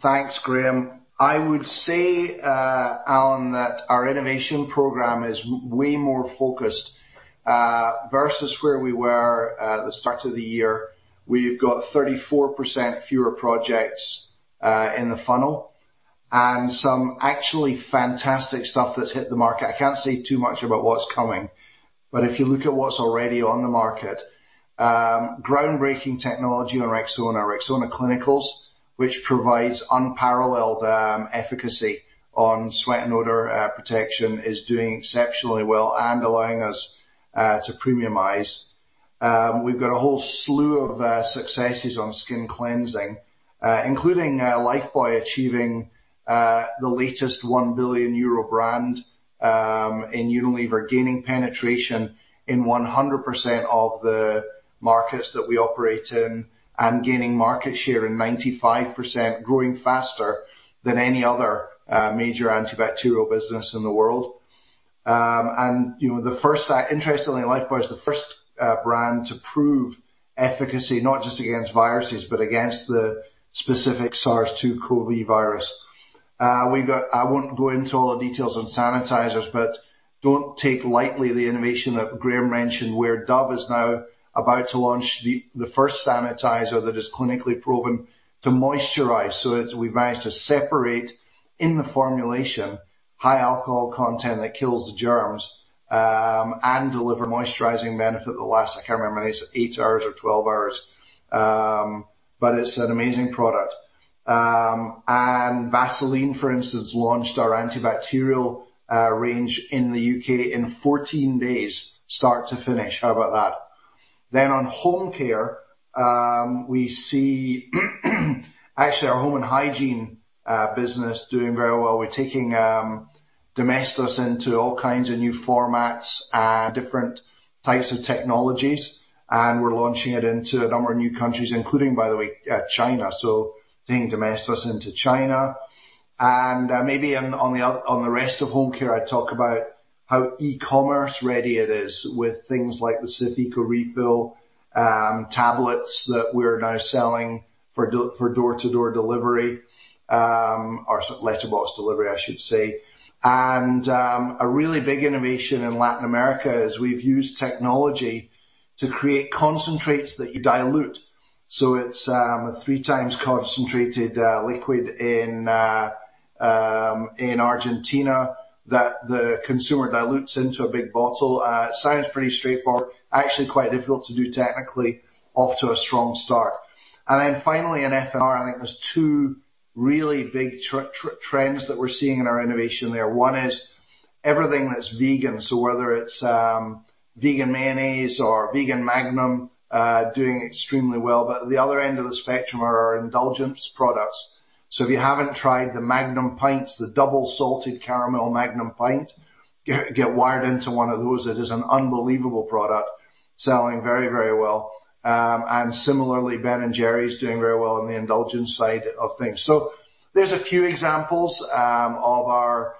Thanks, Graeme. I would say, Alan, that our innovation program is way more focused, versus where we were at the start of the year. We've got 34% fewer projects in the funnel, and some actually fantastic stuff that's hit the market. I can't say too much about what's coming, but if you look at what's already on the market, groundbreaking technology on Rexona. Rexona Clinicals, which provides unparalleled efficacy on sweat and odor protection, is doing exceptionally well and allowing us to premiumize. We've got a whole slew of successes on skin cleansing, including Lifebuoy achieving the latest 1 billion euro brand in Unilever, gaining penetration in 100% of the markets that we operate in, and gaining market share in 95%, growing faster than any other major antibacterial business in the world. Interestingly, Lifebuoy is the first brand to prove efficacy not just against viruses but against the specific SARS-CoV-2 COVID virus. I won't go into all the details on sanitizers, don't take lightly the innovation that Graeme mentioned where Dove is now about to launch the first sanitizer that is clinically proven to moisturize. We've managed to separate, in the formulation, high alcohol content that kills the germs, and deliver moisturizing benefit that lasts, I can't remember if it's eight hours or 12 hours, it's an amazing product. Vaseline, for instance, launched our antibacterial range in the U.K. in 14 days, start to finish. How about that? On home care, we see actually our home and hygiene business doing very well. We're taking Domestos into all kinds of new formats and different types of technologies. We're launching it into a number of new countries, including, by the way, China, taking Domestos into China. Maybe on the rest of home care, I'd talk about how e-commerce ready it is with things like the Cif eco refill tablets that we're now selling for door to door delivery, or letterbox delivery, I should say. A really big innovation in Latin America is we've used technology to create concentrates that you dilute. It's a 3x concentrated liquid in Argentina that the consumer dilutes into a big bottle. Sounds pretty straightforward. Actually quite difficult to do technically. Off to a strong start. Finally in F&R, I think there's two really big trends that we're seeing in our innovation there. One is everything that's vegan, whether it's vegan mayonnaise or vegan Magnum, doing extremely well. At the other end of the spectrum are our indulgence products. If you haven't tried the Magnum Pints, the double salted caramel Magnum Pint, get wired into one of those. It is an unbelievable product, selling very well. Similarly, Ben & Jerry's doing very well on the indulgence side of things. There's a few examples of our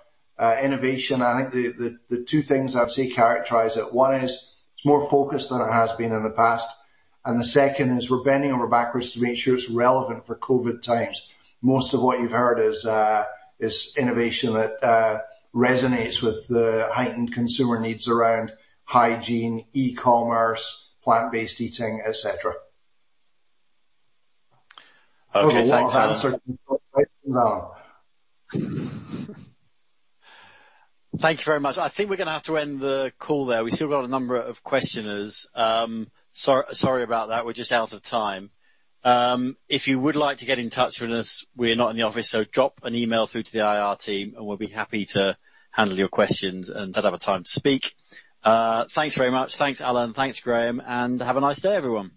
innovation. I think the two things I'd say characterize it, one is it's more focused than it has been in the past, and the second is we're bending over backwards to make sure it's relevant for COVID-19 times. Most of what you've heard is innovation that resonates with the heightened consumer needs around hygiene, e-commerce, plant-based eating, et cetera. Okay, thanks, Alan. Hope that answered your question, Alan. Thank you very much. I think we're going to have to end the call there. We've still got a number of questioners. Sorry about that. We're just out of time. If you would like to get in touch with us, we're not in the office, so drop an email through to the IR team, and we'll be happy to handle your questions another time to speak. Thanks very much. Thanks, Alan. Thanks, Graeme, and have a nice day, everyone.